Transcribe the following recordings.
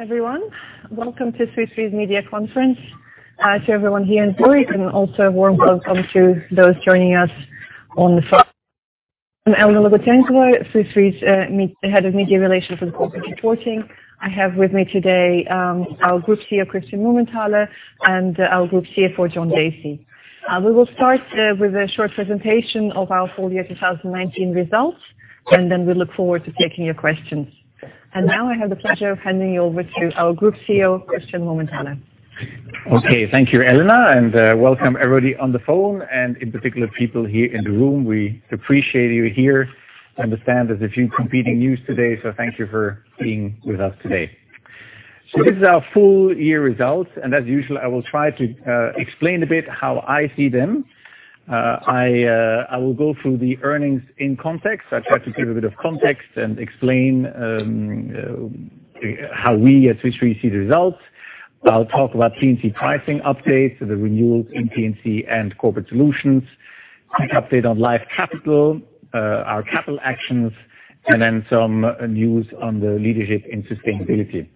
Everyone, welcome to Swiss Re's media conference. To everyone here in Zurich, and also a warm welcome to those joining us on the phone. I'm Elena Logutenkova, Swiss Re's Head of Media Relations and Corporate Reporting. I have with me today our Group CEO, Christian Mumenthaler, and our Group CFO, John Dacey. We will start with a short presentation of our full year 2019 results, and then we look forward to taking your questions. Now I have the pleasure of handing you over to our Group CEO, Christian Mumenthaler. Thank you, Elena, and welcome everybody on the phone and in particular people here in the room. We appreciate you here. I understand there's a few competing news today. Thank you for being with us today. This is our full year results, and as usual, I will try to explain a bit how I see them. I will go through the earnings in context. I try to give a bit of context and explain how we at Swiss Re see the results. I'll talk about P&C pricing updates, the renewals in P&C and Corporate Solutions. Quick update on Life Capital, our capital actions, some news on the leadership in sustainability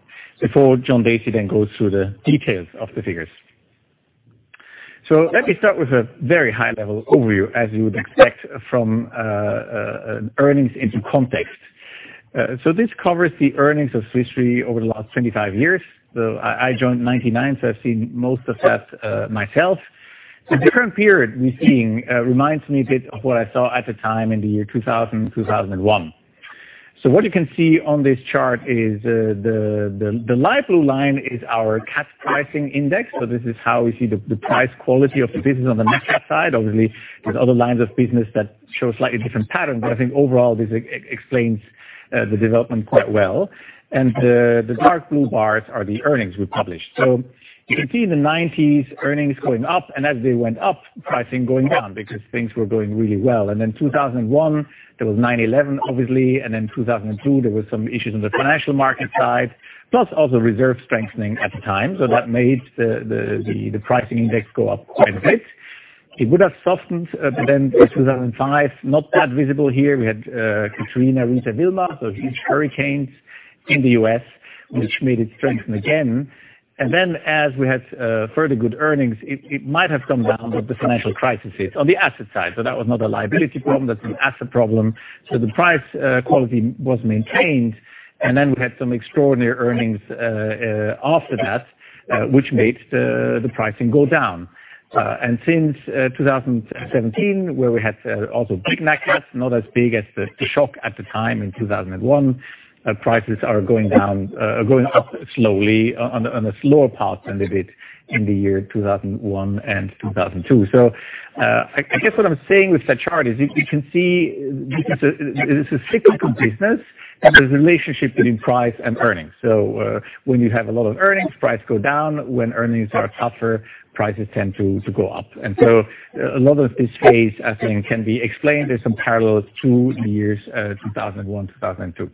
before John Dacey goes through the details of the figures. Let me start with a very high-level overview, as you would expect from earnings into context. This covers the earnings of Swiss Re over the last 25 years. I joined in 1999, so I've seen most of that myself. The current period we're seeing reminds me a bit of what I saw at the time in the year 2000, 2001. What you can see on this chart is the light blue line is our cat pricing index. This is how we see the price quality of the business on the nat cat side. Obviously, there's other lines of business that show slightly different patterns, but I think overall this explains the development quite well. The dark blue bars are the earnings we published. You can see in the 1990s earnings going up, and as they went up, pricing going down because things were going really well. 2001, there was 9/11 obviously, and then 2002, there was some issues on the financial market side, plus also reserve strengthening at the time. That made the pricing index go up quite a bit. It would have softened, but then in 2005, not that visible here, we had Katrina, Rita, Wilma, so huge hurricanes in the US, which made it strengthen again. As we had further good earnings, it might have come down with the financial crisis on the asset side. That was not a liability problem, that's an asset problem. The price quality was maintained, and then we had some extraordinary earnings after that, which made the pricing go down. Since 2017, where we had also big Nat cats, not as big as the shock at the time in 2001, prices are going up slowly on a slower path than they did in the year 2001 and 2002. I guess what I'm saying with that chart is you can see this is a cyclical business, and there's a relationship between price and earnings. When you have a lot of earnings, price go down. When earnings are tougher, prices tend to go up. A lot of this phase, I think, can be explained as some parallels to the years 2001, 2002.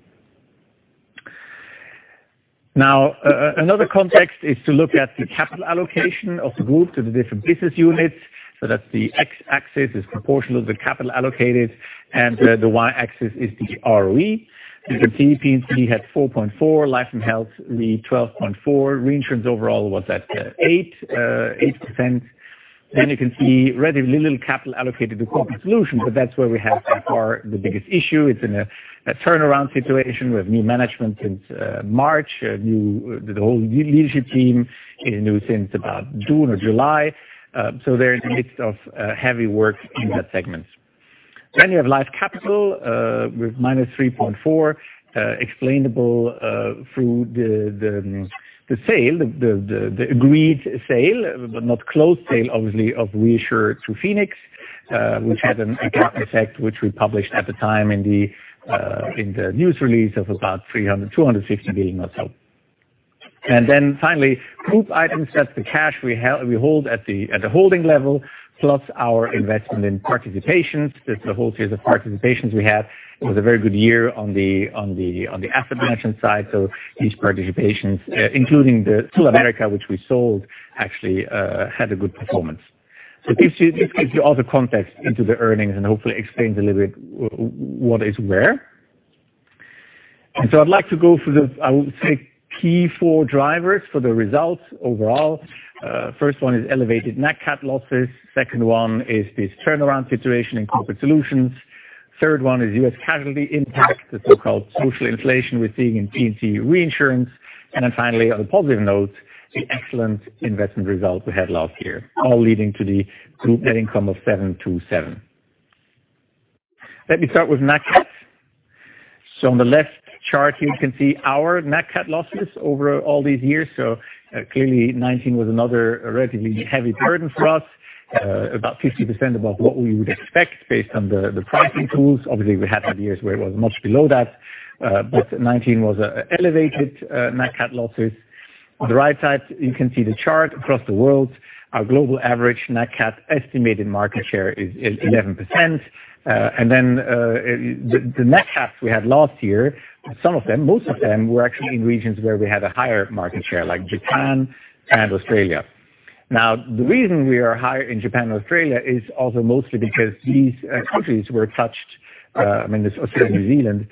Another context is to look at the capital allocation of the group to the different business units, so that the x-axis is proportional to the capital allocated and the y-axis is the ROE. You can see P&C had 4.4%, Life and Health read 12.4%, reinsurance overall was at 8%, and you can see relatively little capital allocated to Corporate Solutions, but that's where we have by far the biggest issue. It's in a turnaround situation. We have new management since March. The whole leadership team is new since about June or July. They're in the midst of heavy work in that segment. You have Life Capital, with -3.4%, explainable through the sale, the agreed sale, but not closed sale, obviously, of ReAssure to Phoenix, which had an impact effect, which we published at the time in the news release of about $300 million, $250 million or so. Finally, group items, that's the cash we hold at the holding level, plus our investment in participation. There's a whole series of participations we have. It was a very good year on the asset management side. These participations, including the two America, which we sold, actually, had a good performance. It gives you all the context into the earnings and hopefully explains a little bit what is where. I'd like to go through the, I would say, key four drivers for the results overall. First one is elevated nat cat losses. Second one is this turnaround situation in Corporate Solutions. Third one is U.S. casualty impact, the so-called social inflation we're seeing in P&C Reinsurance. Finally, on a positive note, the excellent investment result we had last year, all leading to the group net income of $727. Let me start with nat cats. On the left chart here, you can see our nat cat losses over all these years. Clearly, 2019 was another relatively heavy burden for us, about 50% above what we would expect based on the pricing tools. Obviously, we had years where it was much below that. 2019 was elevated Nat cat losses. On the right side, you can see the chart across the world. Our global average Nat cat estimated market share is 11%. The Nat cats we had last year, some of them, most of them were actually in regions where we had a higher market share, like Japan and Australia. The reason we are higher in Japan and Australia is also mostly because these countries were touched, Australia and New Zealand,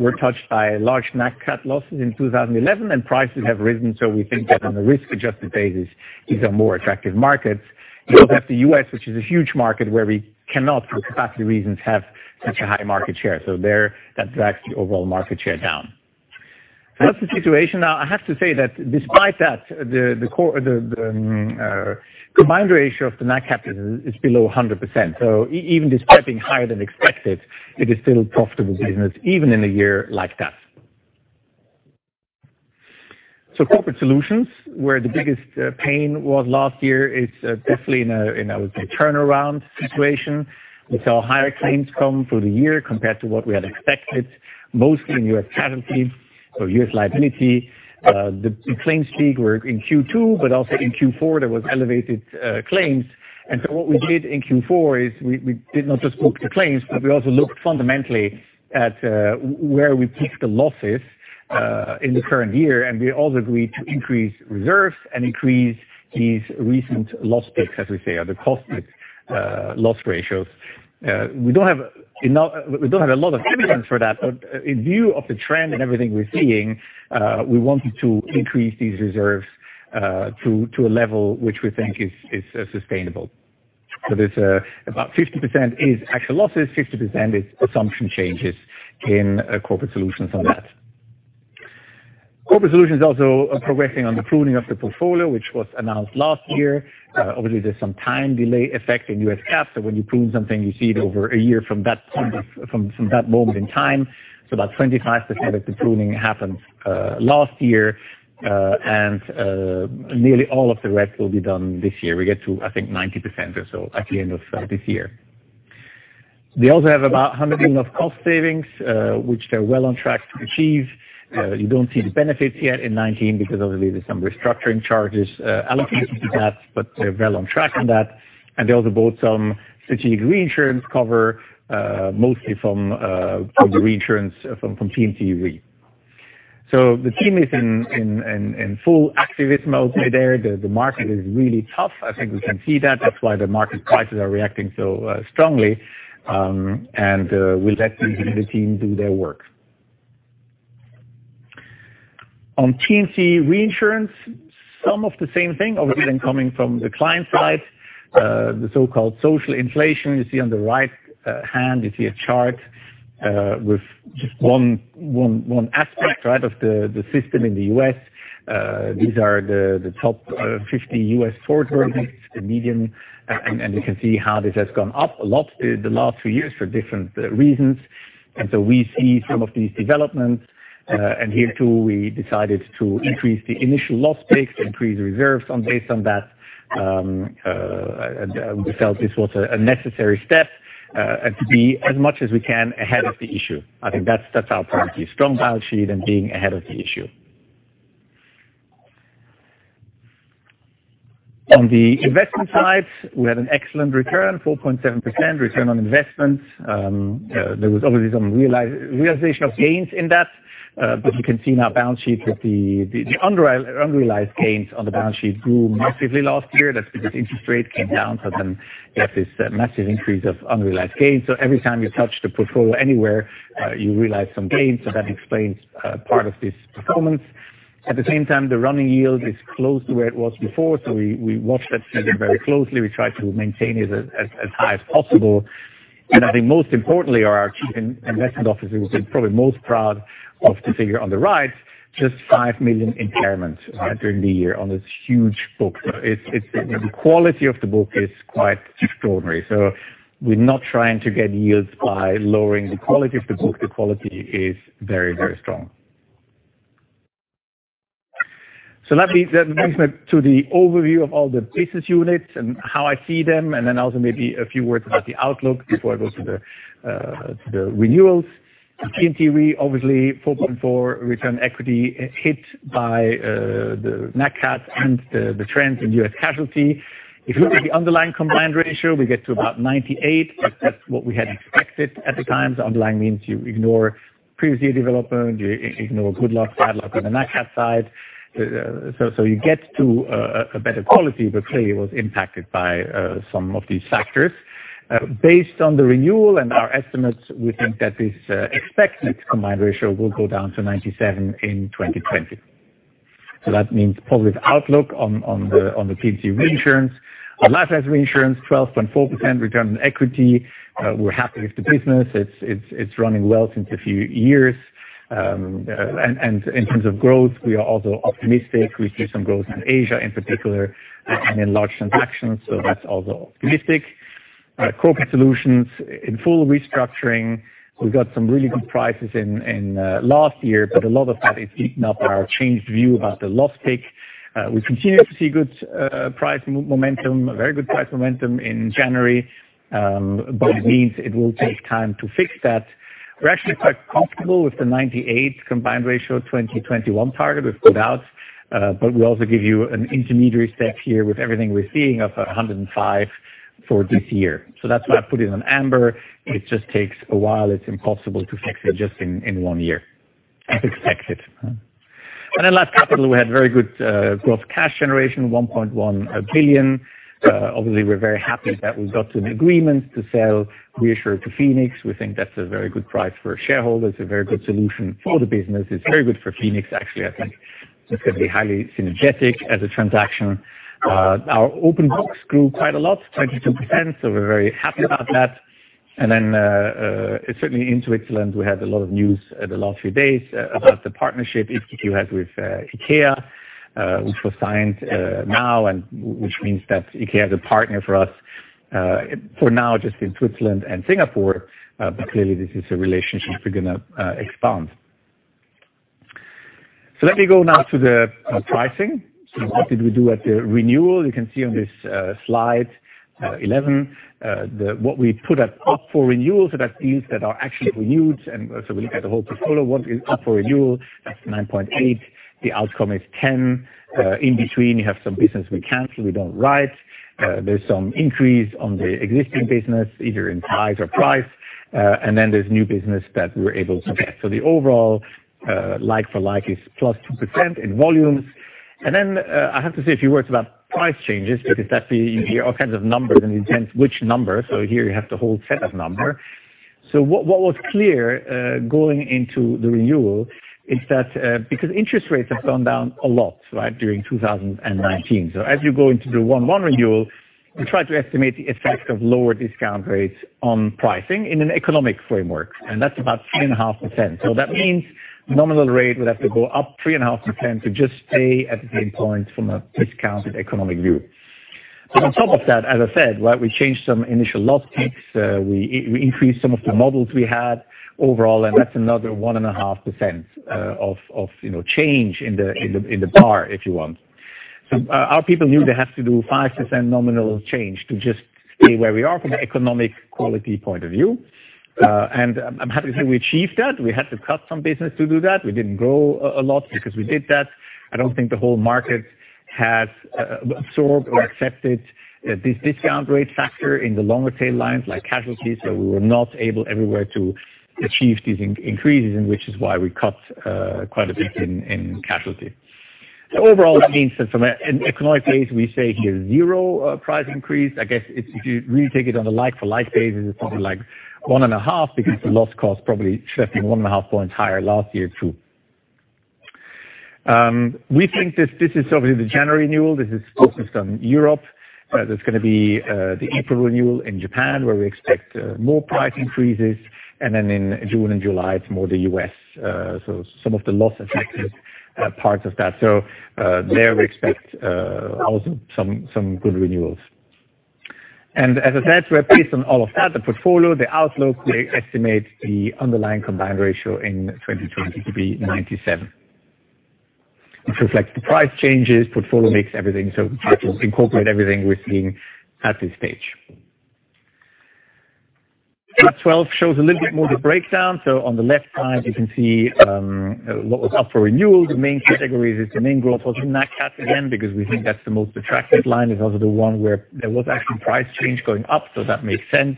were touched by large Nat cat losses in 2011, and prices have risen. We think that on a risk-adjusted basis, these are more attractive markets. You have the U.S., which is a huge market where we cannot, for capacity reasons, have such a high market share. There, that drags the overall market share down. That's the situation. Now, I have to say that despite that, the combined ratio of the Nat cat is below 100%. Even despite being higher than expected, it is still profitable business, even in a year like that. Corporate Solutions, where the biggest pain was last year, is definitely in a, I would say, turnaround situation. We saw higher claims come through the year compared to what we had expected, mostly in U.S. Casualty or U.S. Liability. The claims peak were in Q2, Also in Q4, there was elevated claims. What we did in Q4 is we did not just book the claims, but we also looked fundamentally at where we took the losses in the current year. We also agreed to increase reserves and increase these recent loss picks, as we say, or the cost picks, loss ratios. We don't have a lot of evidence for that. In view of the trend and everything we're seeing, we wanted to increase these reserves to a level which we think is sustainable. About 50% is actual losses, 50% is assumption changes in Corporate Solutions on that. Corporate Solutions also are progressing on the pruning of the portfolio, which was announced last year. Obviously, there's some time delay effect in U.S. GAAP. When you prune something, you see it over one year from that moment in time. About 25% of the pruning happened last year, and nearly all of the rest will be done this year. We get to, I think, 90% or so at the end of this year. They also have about $100 million of cost savings, which they're well on track to achieve. You don't see the benefits yet in 2019 because obviously, there's some restructuring charges allocated to that, but they're well on track on that. They also bought some strategic reinsurance cover, mostly from the reinsurance from P&C Re. The team is in full activism out there. The market is really tough. I think we can see that. That's why the market prices are reacting so strongly. We'll let the team do their work. On P&C Reinsurance, some of the same thing, obviously, then coming from the client side, the so-called social inflation. You see on the right hand, you see a chart with just one aspect of the system in the U.S. These are the top 50 U.S. tort verdicts, the median. You can see how this has gone up a lot the last few years for different reasons. We see some of these developments. Here, too, we decided to increase the initial loss picks, to increase the reserves based on that. We felt this was a necessary step and to be as much as we can ahead of the issue. I think that's our priority, strong balance sheet and being ahead of the issue. On the investment side, we had an excellent return, 4.7% return on investment. There was obviously some realization of gains in that. You can see in our balance sheet that the unrealized gains on the balance sheet grew massively last year. That's because interest rate came down. Then you have this massive increase of unrealized gains. Every time you touch the portfolio anywhere, you realize some gains. That explains part of this performance. At the same time, the running yield is close to where it was before. We watch that figure very closely. We try to maintain it as high as possible. I think most importantly, our chief investment officer will be probably most proud of the figure on the right, just $5 million impairment during the year on this huge book. The quality of the book is quite extraordinary. We're not trying to get yields by lowering the quality of the book. The quality is very, very strong. That brings me to the overview of all the business units and how I see them, and then also maybe a few words about the outlook before I go to the renewals. P&C Re, obviously 4.4% return on equity hit by the Nat cat and the trends in U.S. Casualty. If you look at the underlying combined ratio, we get to about 98%. That's what we had expected at the time. Underlying means you ignore previous year development, you ignore good loss side, loss on the Nat cat side. You get to a better quality, but clearly it was impacted by some of these factors. Based on the renewal and our estimates, we think that this expected combined ratio will go down to 97% in 2020. That means positive outlook on the P&C Reinsurance. Our Life & Health Reinsurance, 12.4% return on equity. We're happy with the business. It's running well since a few years. In terms of growth, we are also optimistic. We see some growth in Asia, in particular, and in large transactions. That's also optimistic. Corporate Solutions in full restructuring. We got some really good prices in last year, but a lot of that is picking up our changed view about the loss pick. We continue to see good price momentum, a very good price momentum in January, but it means it will take time to fix that. We're actually quite comfortable with the 98 combined ratio 2021 target we've put out, but we also give you an intermediary step here with everything we're seeing of 105 for this year. That's why I put it on amber. It just takes a while. It's impossible to fix it just in one year. As expected. Life Capital, we had very good growth cash generation, $1.1 billion. Obviously, we're very happy that we got an agreement to sell ReAssure to Phoenix. We think that's a very good price for shareholders, a very good solution for the business. It's very good for Phoenix, actually, I think. It's going to be highly synergetic as a transaction. Our open books grew quite a lot, 22%, so we're very happy about that. Certainly in Switzerland, we had a lot of news the last few days about the partnership iptiQ has with IKEA which was signed now, and which means that IKEA is a partner for us for now, just in Switzerland and Singapore. Clearly, this is a relationship we're going to expand. Let me go now to the pricing. What did we do at the renewal? You can see on this slide 11, what we put up for renewal, that's deals that are actually renewed, we look at the whole portfolio, what is up for renewal, that's 9.8. The outcome is 10. In between, you have some business we cancel, we don't write. There's some increase on the existing business, either in size or price. There's new business that we're able to get. The overall like-for-like is plus 2% in volumes. I have to say a few words about price changes, because that you hear all kinds of numbers and it depends which number. Here you have the whole set of numbers. What was clear going into the renewal is that because interest rates have gone down a lot during 2019. As you go into the 1/1 renewal, we try to estimate the effect of lower discount rates on pricing in an economic framework. That's about 3.5%. That means nominal rate would have to go up 3.5% to just stay at the same point from a discounted economic view. On top of that, as I said, we changed some initial loss picks. We increased some of the models we had overall, and that's another 1.5% of change in the bar, if you want. Our people knew they have to do 5% nominal change to just stay where we are from an economic quality point of view. I'm happy to say we achieved that. We had to cut some business to do that. We didn't grow a lot because we did that. I don't think the whole market has absorbed or accepted this discount rate factor in the longer tail lines like Casualty, so we were not able everywhere to achieve these increases, and which is why we cut quite a bit in Casualty. Overall, that means that from an economic base, we say here zero price increase. I guess if you really take it on a like-for-like basis, it's probably 1.5 because the loss cost probably should have been 1.5 points higher last year, too. We think this is obviously the January renewal. This is focused on Europe. There's going to be the April renewal in Japan, where we expect more price increases. Then in June and July, it's more the U.S. Some of the loss-affected parts of that. There we expect also some good renewals. As I said, we are based on all of that, the portfolio, the outlook, we estimate the underlying combined ratio in 2020 to be 97%. This reflects the price changes, portfolio mix, everything. It will incorporate everything we're seeing at this stage. Slide 12 shows a little bit more the breakdown. On the left side, you can see what was up for renewal. The main category, the main growth was in nat cat again, because we think that's the most attractive line. It's also the one where there was actually price change going up, so that makes sense.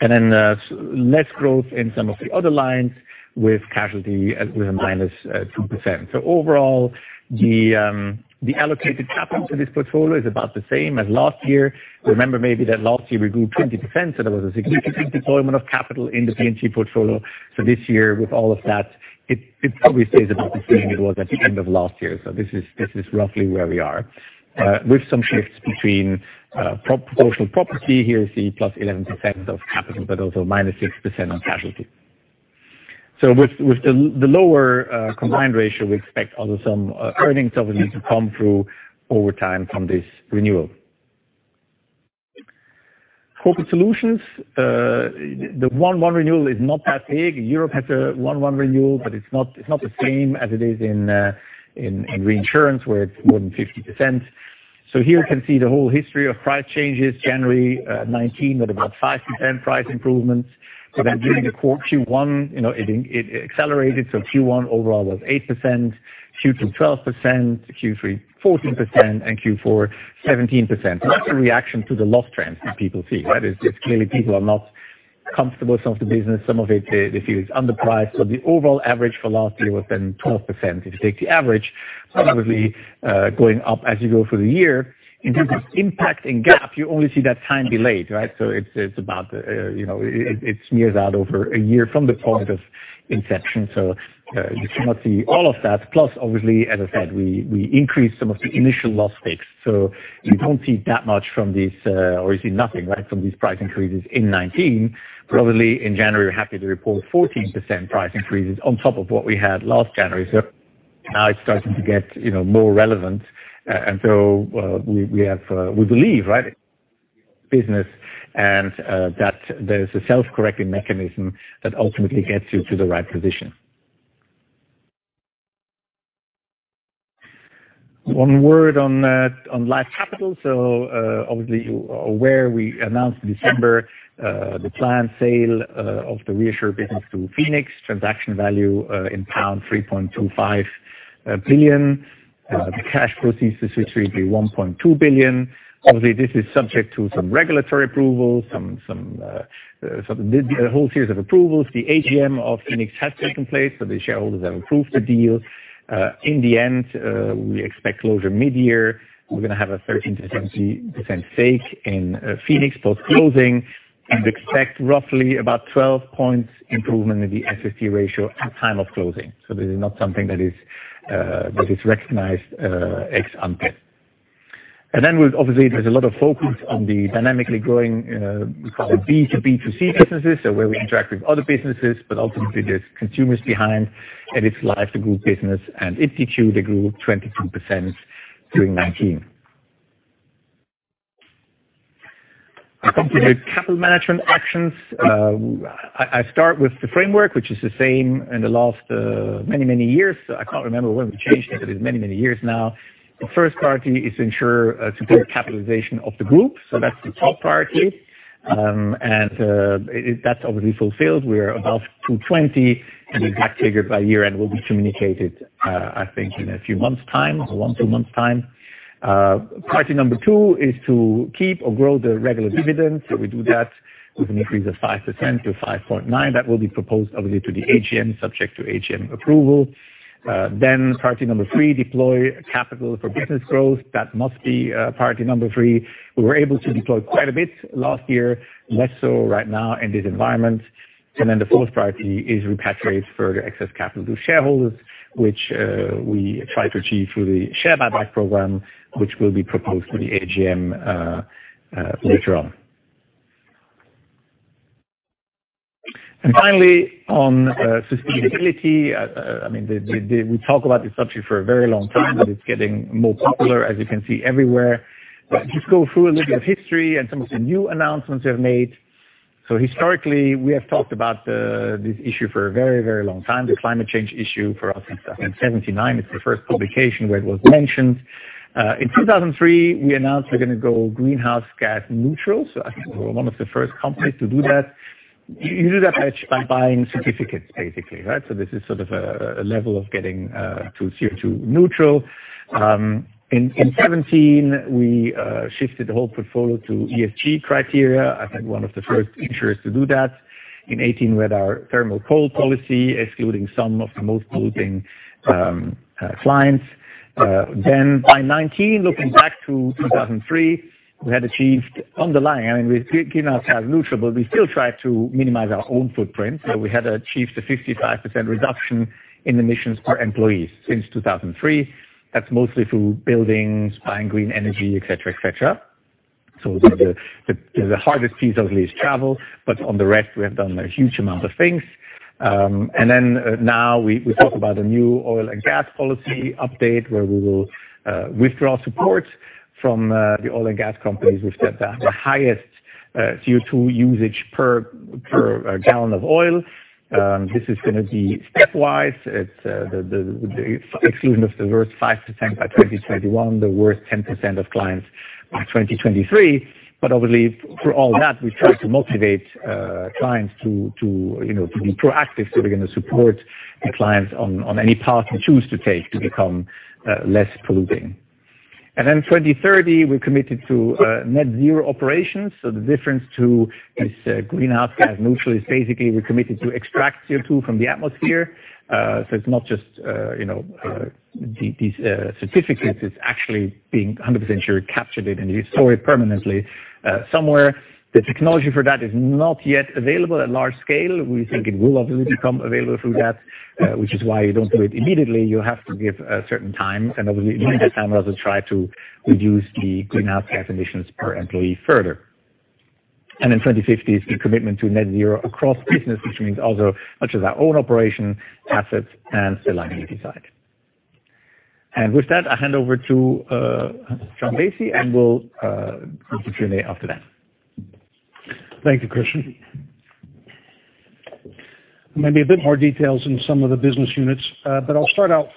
Then less growth in some of the other lines with casualty with a -2%. Overall, the allocated capital to this portfolio is about the same as last year. Remember maybe that last year we grew 20%. There was a significant deployment of capital in the P&C portfolio. This year, with all of that, it probably stays about the same it was at the end of last year. This is roughly where we are. With some shifts between proportional property, here you see plus 11% of capital, but also minus 6% on casualty. With the lower combined ratio, we expect also some earnings, obviously, to come through over time from this renewal. Corporate Solutions. The 1/1 renewal is not that big. Europe has a 1/1 renewal, but it's not the same as it is in reinsurance, where it's more than 50%. Here we can see the whole history of price changes. January 2019, at about 5% price improvements. During the Q1, it accelerated. Q1 overall was 8%, Q2, 12%, Q3, 14%, and Q4, 17%. That's a reaction to the loss trends that people see. It's clearly people are not comfortable with some of the business. Some of it they feel is underpriced. The overall average for last year was then 12%, if you take the average. Obviously, going up as you go through the year. In terms of impact in GAAP, you only see that time delayed. It smears out over a year from the point of inception. You cannot see all of that. Plus, obviously, as I said, we increased some of the initial loss picks. You don't see that much from these, or you see nothing from these price increases in 2019. Probably in January, we're happy to report 14% price increases on top of what we had last January. Now it's starting to get more relevant. We believe business and that there's a self-correcting mechanism that ultimately gets you to the right position. One word on Life Capital. Obviously, you are aware we announced in December the planned sale of the reinsurance business to Phoenix. Transaction value in pound 3.25 billion. The cash proceeds this will be $1.2 billion. Obviously, this is subject to some regulatory approvals, there's a whole series of approvals. The AGM of Phoenix has taken place, the shareholders have approved the deal. In the end, we expect closure mid-year. We're going to have a 13%-17% stake in Phoenix post-closing, and expect roughly about 12 points improvement in the SST ratio at time of closing. This is not something that is recognized ex ante. Obviously, there's a lot of focus on the dynamically growing, we call it B2B2C businesses. Where we interact with other businesses, but ultimately there's consumers behind, and its life to group business, and it contributed a group of 22% during 2019. I come to the capital management actions. I start with the framework, which is the same in the last many, many years. I can't remember when we changed it, but it's many, many years now. The first priority is to ensure sufficient capitalization of the group. That's the top priority. That's obviously fulfilled. We're above 220%, and the exact figure by year-end will be communicated, I think, in a few months' time or one to two months' time. Priority number two is to keep or grow the regular dividends. We do that with an increase of 5% to $5.9. That will be proposed obviously to the AGM, subject to AGM approval. Priority number three, deploy capital for business growth. That must be priority number three. We were able to deploy quite a bit last year, less so right now in this environment. The fourth priority is repatriate further excess capital to shareholders, which we try to achieve through the share buyback program, which will be proposed to the AGM later on. Finally, on sustainability, we talk about this subject for a very long time, but it's getting more popular, as you can see everywhere. Just go through a little bit of history and some of the new announcements we have made. Historically, we have talked about this issue for a very, very long time. The climate change issue for us in 1979 is the first publication where it was mentioned. In 2003, we announced we're going to go greenhouse gas neutral. I think we're one of the first companies to do that. You do that by buying certificates, basically. This is sort of a level of getting to CO2 neutral. In 2017, we shifted the whole portfolio to ESG criteria. I think one of the first insurers to do that. In 2018, we had our thermal coal policy, excluding some of the most polluting clients. By 2019, looking back to 2003, we had achieved underlying, I mean, we're greenhouse gas neutral, we still try to minimize our own footprint. We had achieved a 55% reduction in emissions per employees since 2003. That's mostly through buildings, buying green energy, et cetera. The hardest piece obviously is travel, on the rest, we have done a huge amount of things. Now we talk about a new oil and gas policy update where we will withdraw support from the oil and gas companies which get the highest CO2 usage per gallon of oil. This is going to be stepwise. It's the exclusion of the worst 5% by 2021, the worst 10% of clients by 2023. Obviously, through all that, we try to motivate clients to be proactive, so we're going to support the clients on any path they choose to take to become less polluting. 2030, we're committed to net zero operations. The difference to this greenhouse gas neutral is basically we're committed to extract CO2 from the atmosphere. It's not just these certificates, it's actually being 100% sure captured it, and you store it permanently somewhere. The technology for that is not yet available at large scale. We think it will obviously become available through that, which is why you don't do it immediately. You have to give a certain time, and obviously during that time, we also try to reduce the greenhouse gas emissions per employee further. In 2050 is the commitment to net zero across business, which means also much of our own operation, assets, and still aligning the side. With that, I hand over to John Dacey, and we'll continue after that. Thank you, Christian. I'll start out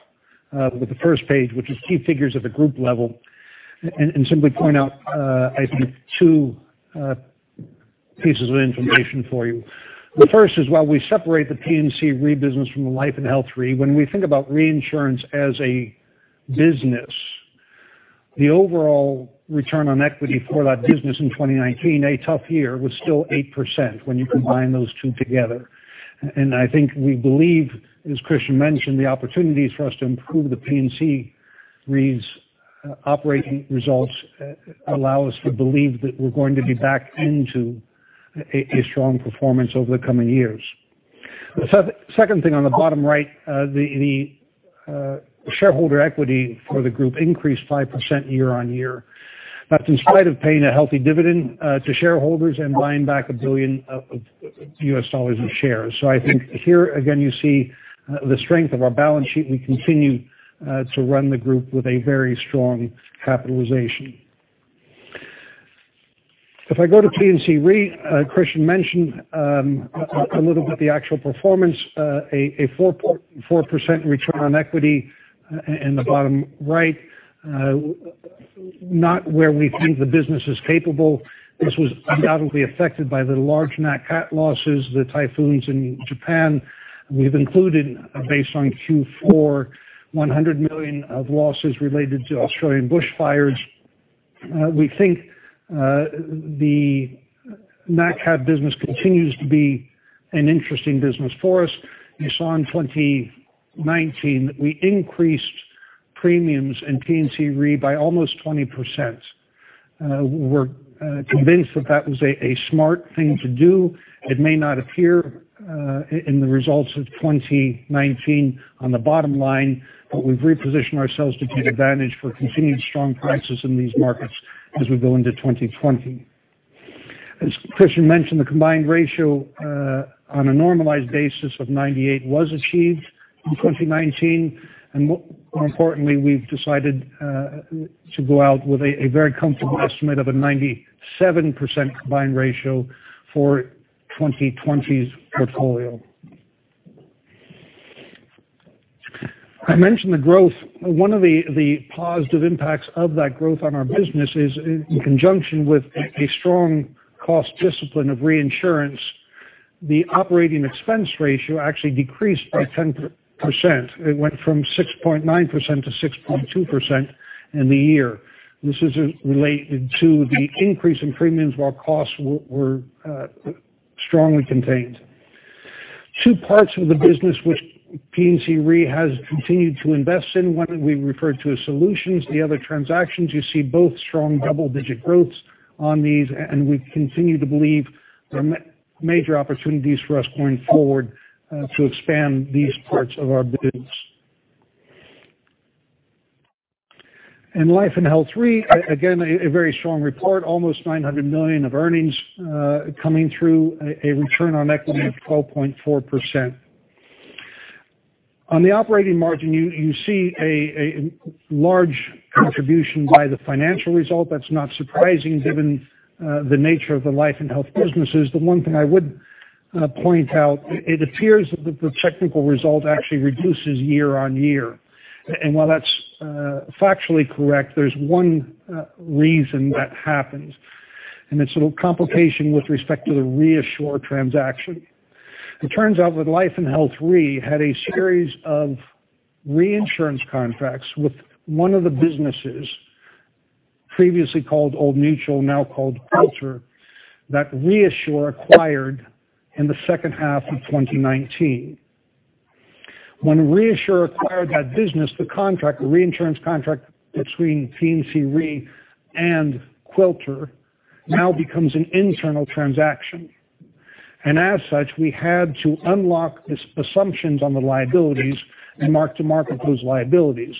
with the first page, which is key figures at the group level, and simply point out two pieces of information for you. The first is, while we separate the P&C Re business from the Life & Health Re, when we think about reinsurance as a business, the overall return on equity for that business in 2019, a tough year, was still 8% when you combine those two together. I think we believe, as Christian mentioned, the opportunities for us to improve the P&C Re's operating results allow us to believe that we're going to be back into a strong performance over the coming years. The second thing on the bottom right, the shareholder equity for the group increased 5% year-on-year. That's in spite of paying a healthy dividend to shareholders and buying back $1 billion of shares. I think here, again, you see the strength of our balance sheet. We continue to run the group with a very strong capitalization. If I go to P&C Re, Christian mentioned a little about the actual performance, a 4.4% return on equity in the bottom right, not where we think the business is capable. This was undoubtedly affected by the large nat cat losses, the typhoons in Japan. We've included, based on Q4, 100 million of losses related to Australian bushfires. We think the nat cat business continues to be an interesting business for us. You saw in 2019 that we increased premiums in P&C Re by almost 20%. We're convinced that that was a smart thing to do. It may not appear in the results of 2019 on the bottom line, but we've repositioned ourselves to take advantage for continued strong prices in these markets as we go into 2020. As Christian mentioned, the combined ratio on a normalized basis of 98 was achieved in 2019. More importantly, we've decided to go out with a very comfortable estimate of a 97% combined ratio for 2020's portfolio. I mentioned the growth. One of the positive impacts of that growth on our business is in conjunction with a strong cost discipline of reinsurance, the operating expense ratio actually decreased by 10%. It went from 6.9% to 6.2% in the year. This is related to the increase in premiums while costs were strongly cont ained. Two parts of the business which P&C Re has continued to invest in, one we refer to as solutions, the other transactions, you see both strong double-digit growths on these, and we continue to believe there are major opportunities for us going forward to expand these parts of our business. In Life & Health Reinsurance, again, a very strong report, almost $900 million of earnings coming through, a return on equity of 12.4%. On the operating margin, you see a large contribution by the financial result. That's not surprising given the nature of the life & health businesses. The one thing I would point out, it appears that the technical result actually reduces year-on-year. While that's factually correct, there's one reason that happens, and it's a little complication with respect to the ReAssure transaction. It turns out with Life & Health Reinsurance had a series of reinsurance contracts with one of the businesses previously called Old Mutual, now called Quilter, that ReAssure acquired in the second half of 2019. When ReAssure acquired that business, the reinsurance contract between P&C Re and Quilter now becomes an internal transaction. As such, we had to unlock the assumptions on the liabilities and mark to market those liabilities.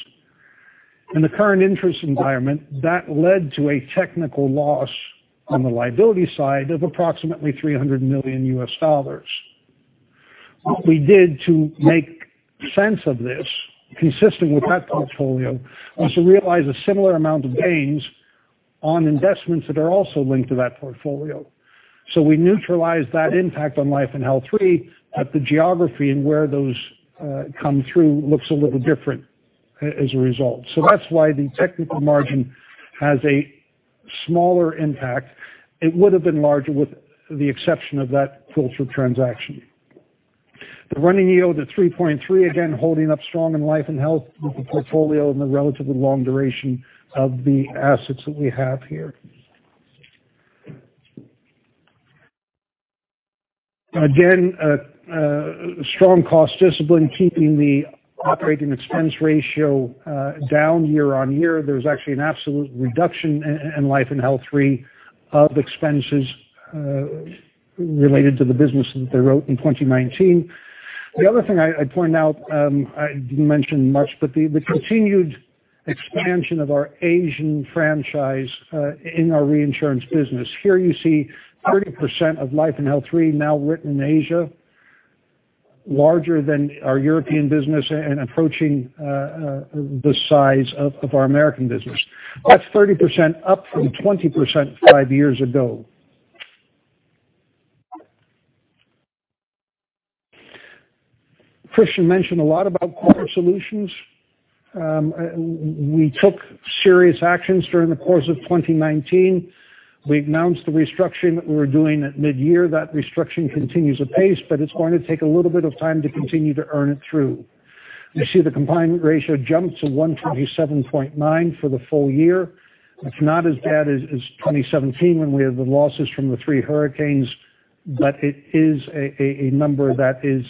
In the current interest environment, that led to a technical loss on the liability side of approximately $300 million. What we did to make sense of this, consistent with that portfolio, was to realize a similar amount of gains on investments that are also linked to that portfolio. We neutralized that impact on Life & Health Reinsurance at the geography and where those come through looks a little different as a result. That's why the technical margin has a smaller impact. It would have been larger with the exception of that Quilter transaction. The running yield at 3.3, again, holding up strong in Life & Health with the portfolio and the relatively long duration of the assets that we have here. Again, strong cost discipline keeping the operating expense ratio down year on year. There's actually an absolute reduction in Life & Health Reinsurance of expenses related to the business that they wrote in 2019. The other thing I point out, I didn't mention much, but the continued expansion of our Asian franchise in our reinsurance business. Here you see 30% of Life & Health Reinsurance now written in Asia, larger than our European business and approaching the size of our American business. That's 30% up from 20% five years ago. Christian mentioned a lot about Corporate Solutions. We took serious actions during the course of 2019. We announced the restructuring that we were doing at mid-year. That restructuring continues at pace, but it's going to take a little bit of time to continue to earn it through. You see the combined ratio jumped to 127.9 for the full year. It's not as bad as 2017 when we had the losses from the three hurricanes, but it is a number that is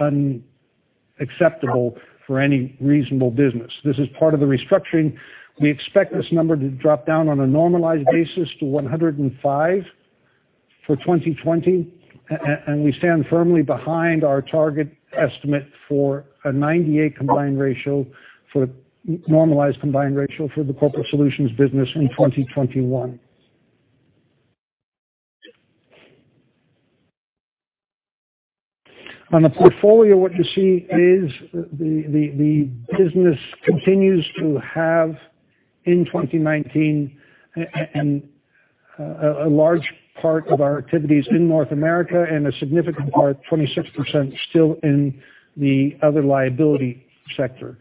unacceptable for any reasonable business. This is part of the restructuring. We expect this number to drop down on a normalized basis to 105 for 2020, and we stand firmly behind our target estimate for a 98 combined ratio for normalized combined ratio for the Corporate Solutions business in 2021. On the portfolio, what you see is the business continues to have in 2019 and a large part of our activities in North America and a significant part, 26% still in the other liability sector.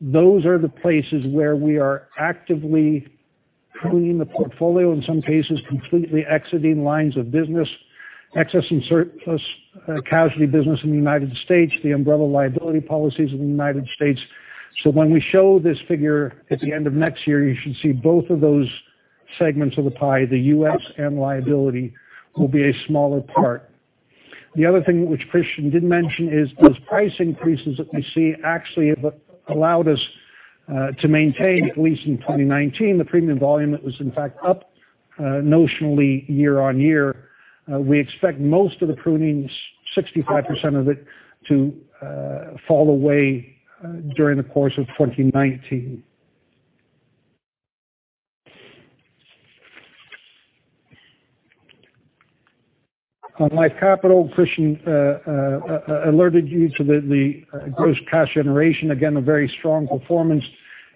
Those are the places where we are actively pruning the portfolio, in some cases, completely exiting lines of business. Excess and surplus casualty business in the U.S., the umbrella liability policies in the U.S. When we show this figure at the end of next year, you should see both of those segments of the pie, the U.S. and liability, will be a smaller part. The other thing which Christian did mention is those price increases that we see actually have allowed us to maintain, at least in 2019, the premium volume that was in fact up notionally year-over-year. We expect most of the prunings, 65% of it, to fall away during the course of 2019. On Life Capital, Christian alerted you to the gross cash generation. Again, a very strong performance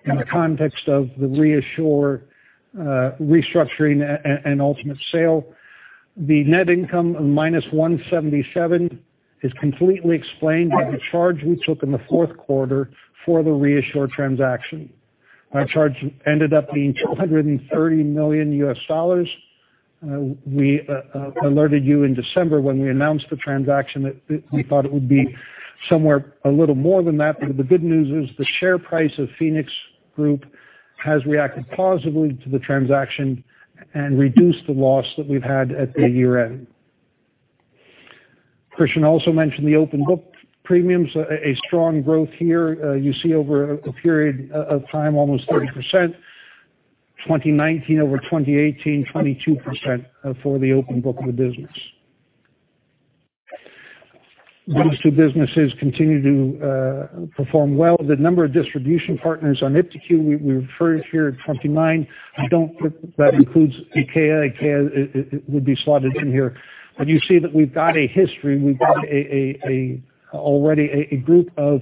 in the context of the ReAssure restructuring and ultimate sale. The net income of minus $177 is completely explained by the charge we took in the fourth quarter for the ReAssure transaction. Our charge ended up being $230 million. We alerted you in December when we announced the transaction that we thought it would be somewhere a little more than that. The good news is the share price of Phoenix Group has reacted positively to the transaction and reduced the loss that we've had at the year-end. Christian also mentioned the open book premiums, a strong growth here. You see over a period of time, almost 30%, 2019 over 2018, 22% for the open book of the business. Those two businesses continue to perform well. The number of distribution partners on iptiQ, we refer to here at 29. I don't think that includes IKEA. IKEA would be slotted in here. You see that we've got a history. We've got already a group of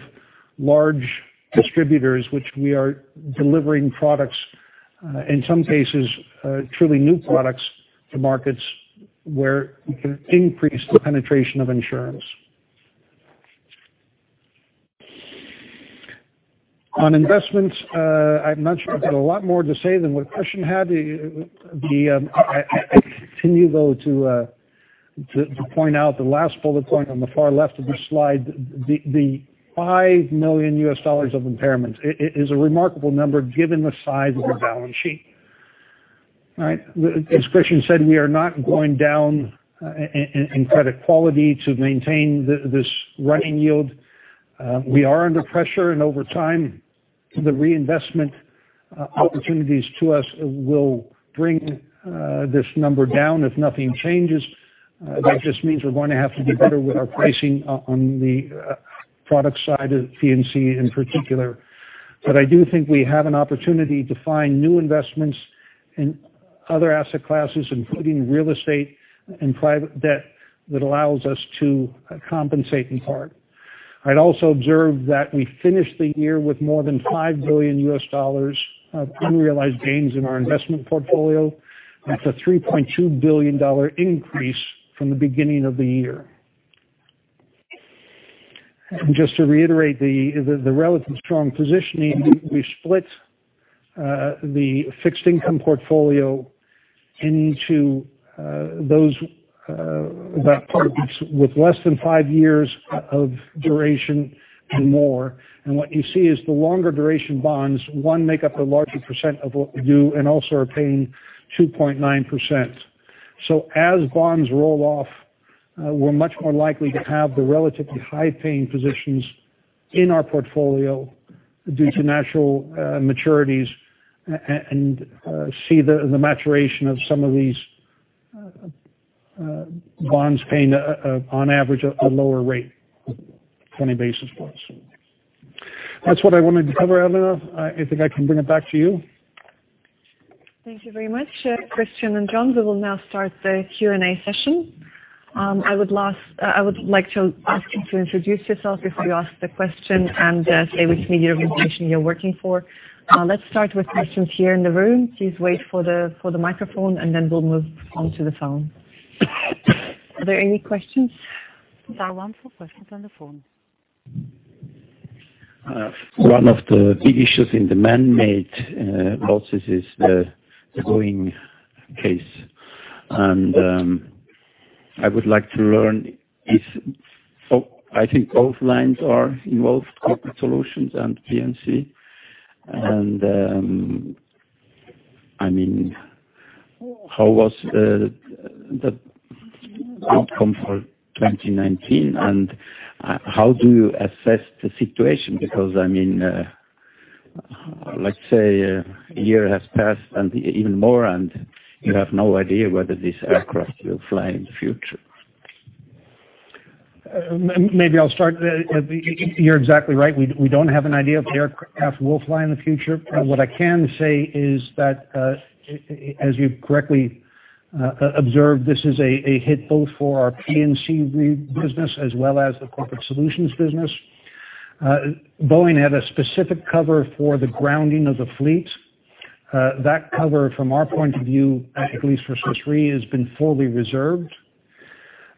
large distributors, which we are delivering products, in some cases, truly new products, to markets where we can increase the penetration of insurance. On investments, I'm not sure I've got a lot more to say than what Christian had. I continue, though, to point out the last bullet point on the far left of the slide. The $5 million of impairment is a remarkable number given the size of the balance sheet. Right? As Christian said, we are not going down in credit quality to maintain this running yield. We are under pressure, over time, the reinvestment opportunities to us will bring this number down if nothing changes. That just means we're going to have to be better with our pricing on the product side of P&C in particular. I do think we have an opportunity to find new investments in other asset classes, including real estate and private debt, that allows us to compensate in part. I'd also observe that we finished the year with more than $5 billion of unrealized gains in our investment portfolio. That's a $3.2 billion increase from the beginning of the year. Just to reiterate the relative strong positioning, we split the fixed income portfolio into those that part with less than five years of duration and more. What you see is the longer duration bonds, one, make up a larger percent of what we do and also are paying 2.9%. As bonds roll off, we're much more likely to have the relatively high-paying positions in our portfolio due to natural maturities and see the maturation of some of these bonds paying, on average, a lower rate of 20 basis points. That's what I wanted to cover, Elena, I think I can bring it back to you. Thank you very much, Christian and John. We will now start the Q&A session. I would like to ask you to introduce yourself if you ask the question and say which media organization you're working for. Let's start with questions here in the room. Please wait for the microphone, and then we'll move on to the phone. Are there any questions? There are one for questions on the phone. One of the big issues in the man-made losses is the Boeing case. I would like to learn, I think both lines are involved, Corporate Solutions and P&C. How was the outcome for 2019, and how do you assess the situation? Let's say a year has passed and even more, and you have no idea whether this aircraft will fly in the future. Maybe I'll start. You're exactly right. We don't have an idea if the aircraft will fly in the future. What I can say is that, as you correctly observed, this is a hit both for our P&C business as well as the Corporate Solutions business. Boeing had a specific cover for the grounding of the fleet. That cover, from our point of view, at least for Swiss Re, has been fully reserved.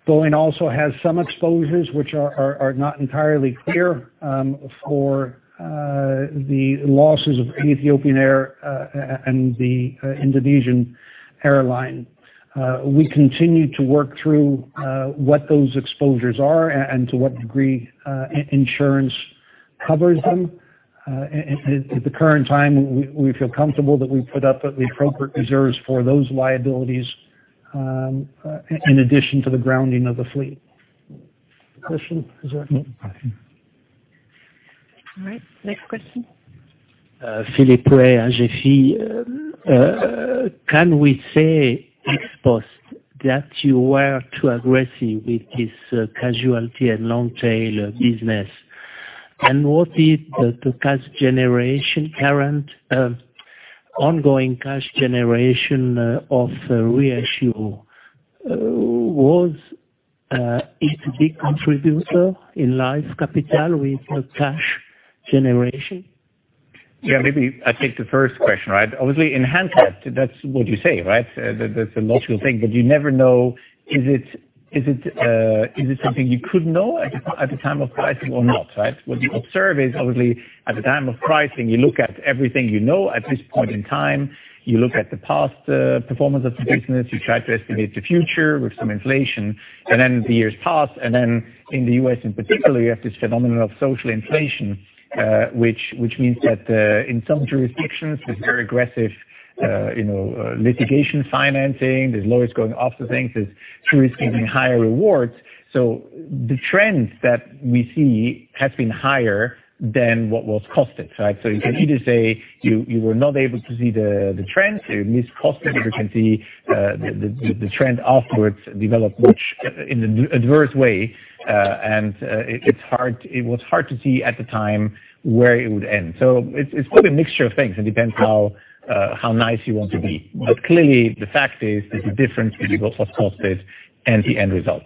Boeing also has some exposures which are not entirely clear for the losses of Ethiopian Airlines and the Lion Air. We continue to work through what those exposures are and to what degree insurance covers them. At the current time, we feel comfortable that we put up the appropriate reserves for those liabilities, in addition to the grounding of the fleet. Christian, is there? No. All right, next question. Philippe, as i see, can we say ex-post that you were too aggressive with this casualty and long tail business? What is the current ongoing cash generation of ReAssure? Was it a big contributor in Life Capital with the cash generation? Maybe I'll take the first question. Obviously, in hindsight, that's what you say, right? That's a logical thing, but you never know, is it something you could know at the time of pricing or not, right? What you observe is obviously at the time of pricing, you look at everything you know at this point in time. You look at the past performance of the business. You try to estimate the future with some inflation. The years pass, and then in the U.S. in particular, you have this phenomenon of social inflation, which means that, in some jurisdictions with very aggressive litigation financing, there's lawyers going after things. There's risk giving higher rewards. The trends that we see have been higher than what was costed, right? You can either say you were not able to see the trend, you mis-costed, or you can see the trend afterwards develop much in an adverse way. It was hard to see at the time where it would end. It's quite a mixture of things. It depends how nice you want to be. Clearly, the fact is there's a difference between what was costed and the end result.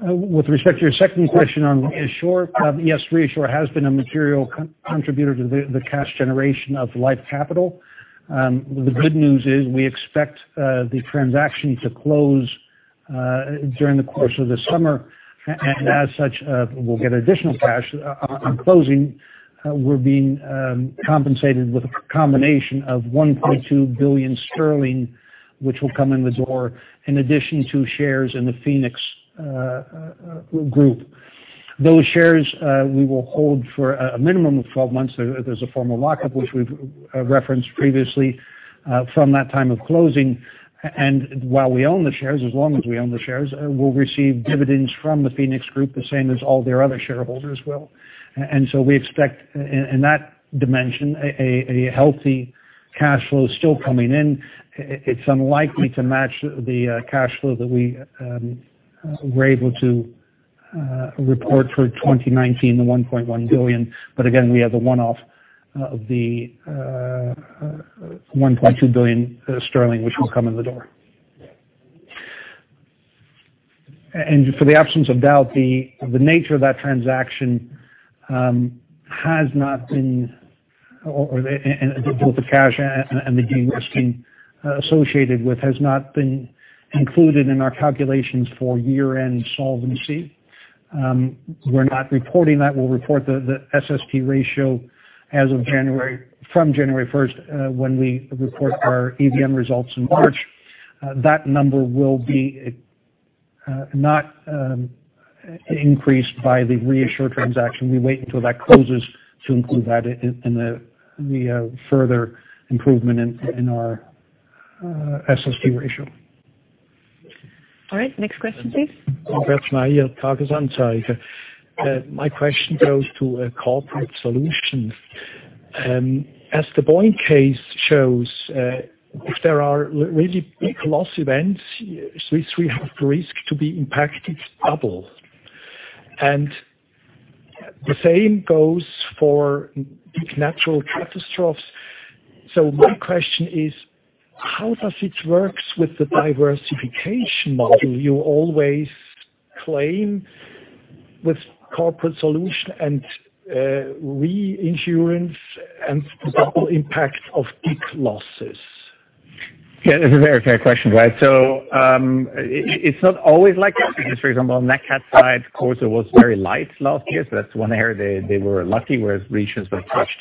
With respect to your second question on ReAssure, yes, ReAssure has been a material contributor to the cash generation of Life Capital. The good news is we expect the transaction to close during the course of the summer. As such, we'll get additional cash on closing. We're being compensated with a combination of 1.2 billion sterling, which will come in the door, in addition to shares in the Phoenix Group. Those shares, we will hold for a minimum of 12 months. There's a formal lockup which we've referenced previously from that time of closing. While we own the shares, as long as we own the shares, we'll receive dividends from the Phoenix Group, the same as all their other shareholders will. So we expect, in that dimension, a healthy cash flow still coming in. It's unlikely to match the cash flow that we were able to report for 2019, the $1.1 billion. Again, we have the one-off of the 1.2 billion sterling which will come in the door. For the absence of doubt, the nature of that transaction and both the cash and the gain resting associated with has not been included in our calculations for year-end solvency. We're not reporting that. We'll report the SST ratio from January 1st, when we report our EVM results in March. That number will be not increased by the ReAssure transaction. We wait until that closes to include that in the further improvement in our SST ratio. All right, next question, please. My question goes to Corporate Solutions. As the Boeing case shows, if there are really big loss events, Swiss Re have to risk to be impacted double. The same goes for big natural catastrophes. My question is, how does it work with the diversification model you always claim with Corporate Solutions and reinsurance and the double impact of big losses? This is a very fair question. It's not always like that because, for example, on that nat cat side, CorSo was very light last year. That's one area they were lucky, whereas reinsurance was touched.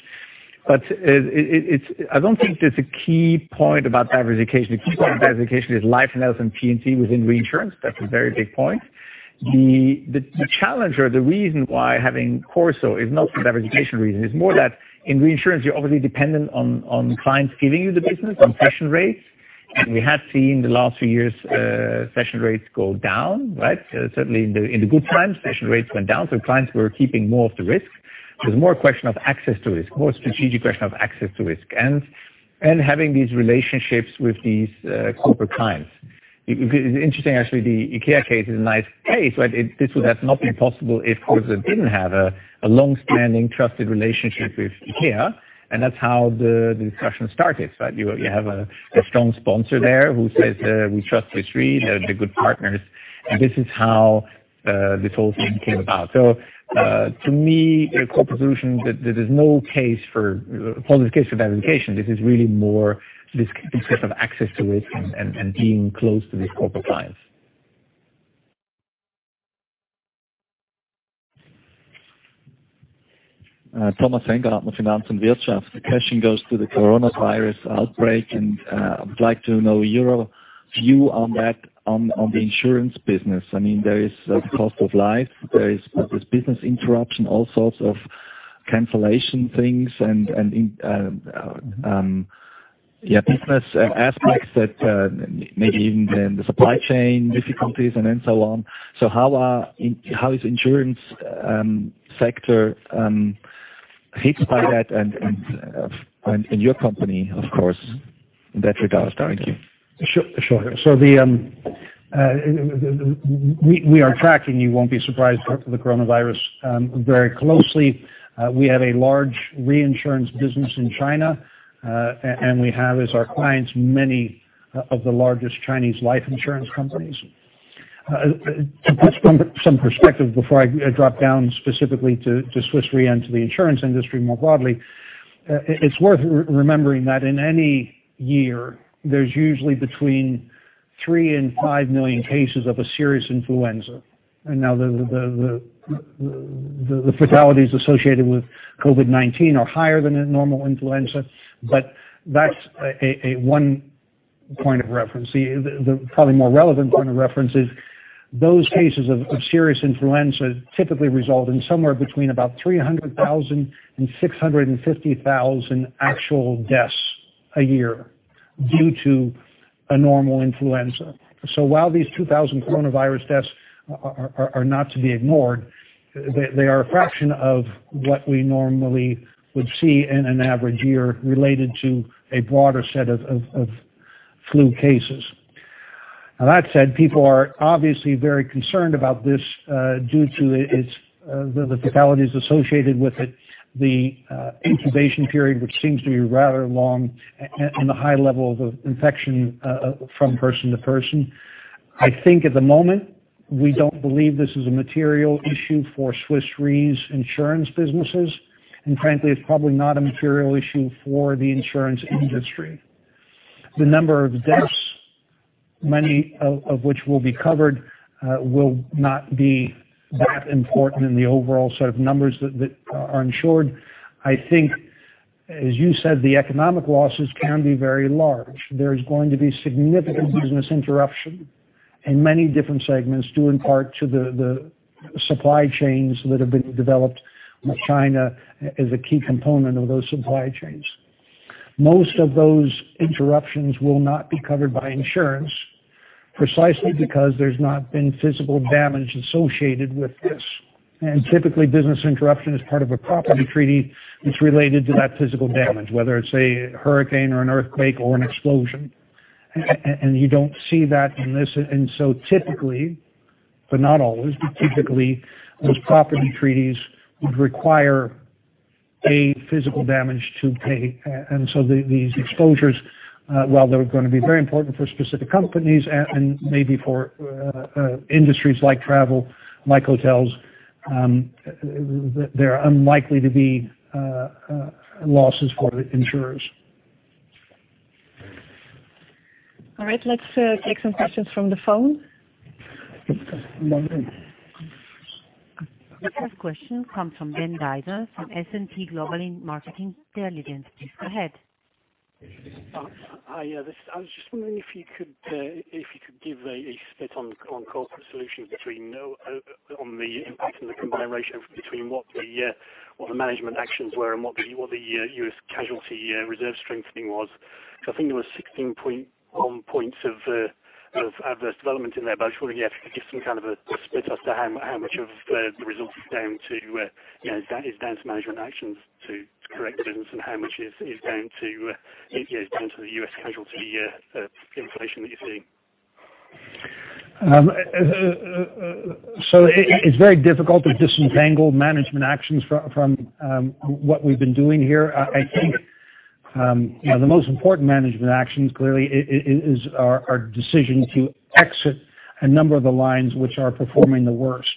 I don't think there's a key point about diversification. The key point of diversification is Life and Health and P&C within reinsurance. That's a very big point. The challenge or the reason why having CorSo is not for diversification reason, it's more that in reinsurance, you're obviously dependent on clients giving you the business on cession rates. We have seen the last few years, cession rates go down, right? Certainly in the good times, cession rates went down, clients were keeping more of the risk. It was more a question of access to risk, more a strategic question of access to risk and having these relationships with these corporate clients. It's interesting, actually, the IKEA case is a nice case, right? This would have not been possible if CorSo didn't have a long-standing trusted relationship with IKEA, and that's how the discussion started, right? You have a strong sponsor there who says, "We trust Swiss Re. They're good partners." This is how this whole thing came about. To me, Corporate Solutions, there is no positive case for diversification. This is really more this concept of access to risk and being close to these corporate clients. Thomas Hengartner, Finanz und Wirtschaft. The question goes to the coronavirus outbreak. I would like to know your view on that on the insurance business. There is the cost of life, there is this business interruption, all sorts of cancellation things, and business aspects that maybe even the supply chain difficulties and so on. How is insurance sector hit by that and in your company, of course, in that regard? Thank you. Sure. We are tracking, you won't be surprised, the coronavirus very closely. We have a large reinsurance business in China. We have as our clients, many of the largest Chinese life insurance companies. To put some perspective before I drop down specifically to Swiss Re and to the insurance industry more broadly, it's worth remembering that in any year, there's usually between three and five million cases of a serious influenza. Now the fatalities associated with COVID-19 are higher than a normal influenza, but that's one point of reference. The probably more relevant point of reference is those cases of serious influenza typically result in somewhere between about 300,000 and 650,000 actual deaths a year due to a normal influenza. While these 2,000 coronavirus deaths are not to be ignored, they are a fraction of what we normally would see in an average year related to a broader set of flu cases. That said, people are obviously very concerned about this, due to the fatalities associated with it, the incubation period, which seems to be rather long, and the high level of infection from person to person. I think at the moment, we don't believe this is a material issue for Swiss Re's insurance businesses, and frankly, it's probably not a material issue for the insurance industry. The number of deaths, many of which will be covered, will not be that important in the overall set of numbers that are insured. I think, as you said, the economic losses can be very large. There is going to be significant business interruption in many different segments, due in part to the supply chains that have been developed with China as a key component of those supply chains. Most of those interruptions will not be covered by insurance, precisely because there's not been physical damage associated with this. Typically, business interruption is part of a property treaty that's related to that physical damage, whether it's a hurricane or an earthquake or an explosion. You don't see that in this. Typically, but not always, but typically, those property treaties would require a physical damage to pay. These exposures, while they're going to be very important for specific companies and maybe for industries like travel, like hotels, there are unlikely to be losses for the insurers. All right. Let's take some questions from the phone. The first question comes from Ben Dyson from S&P Global Market Intelligence. Please go ahead. Hi. I was just wondering if you could give a split on Corporate Solutions on the impact and the combined ratio between what the management actions were and what the U.S. casualty reserve strengthening was. I think there were 16 points of adverse development in there. I just wonder if you give some kind of a split as to how much of the result is down to management actions to correct things and how much is down to the U.S. casualty inflation that you're seeing. It's very difficult to disentangle management actions from what we've been doing here. I think the most important management actions clearly is our decision to exit a number of the lines which are performing the worst.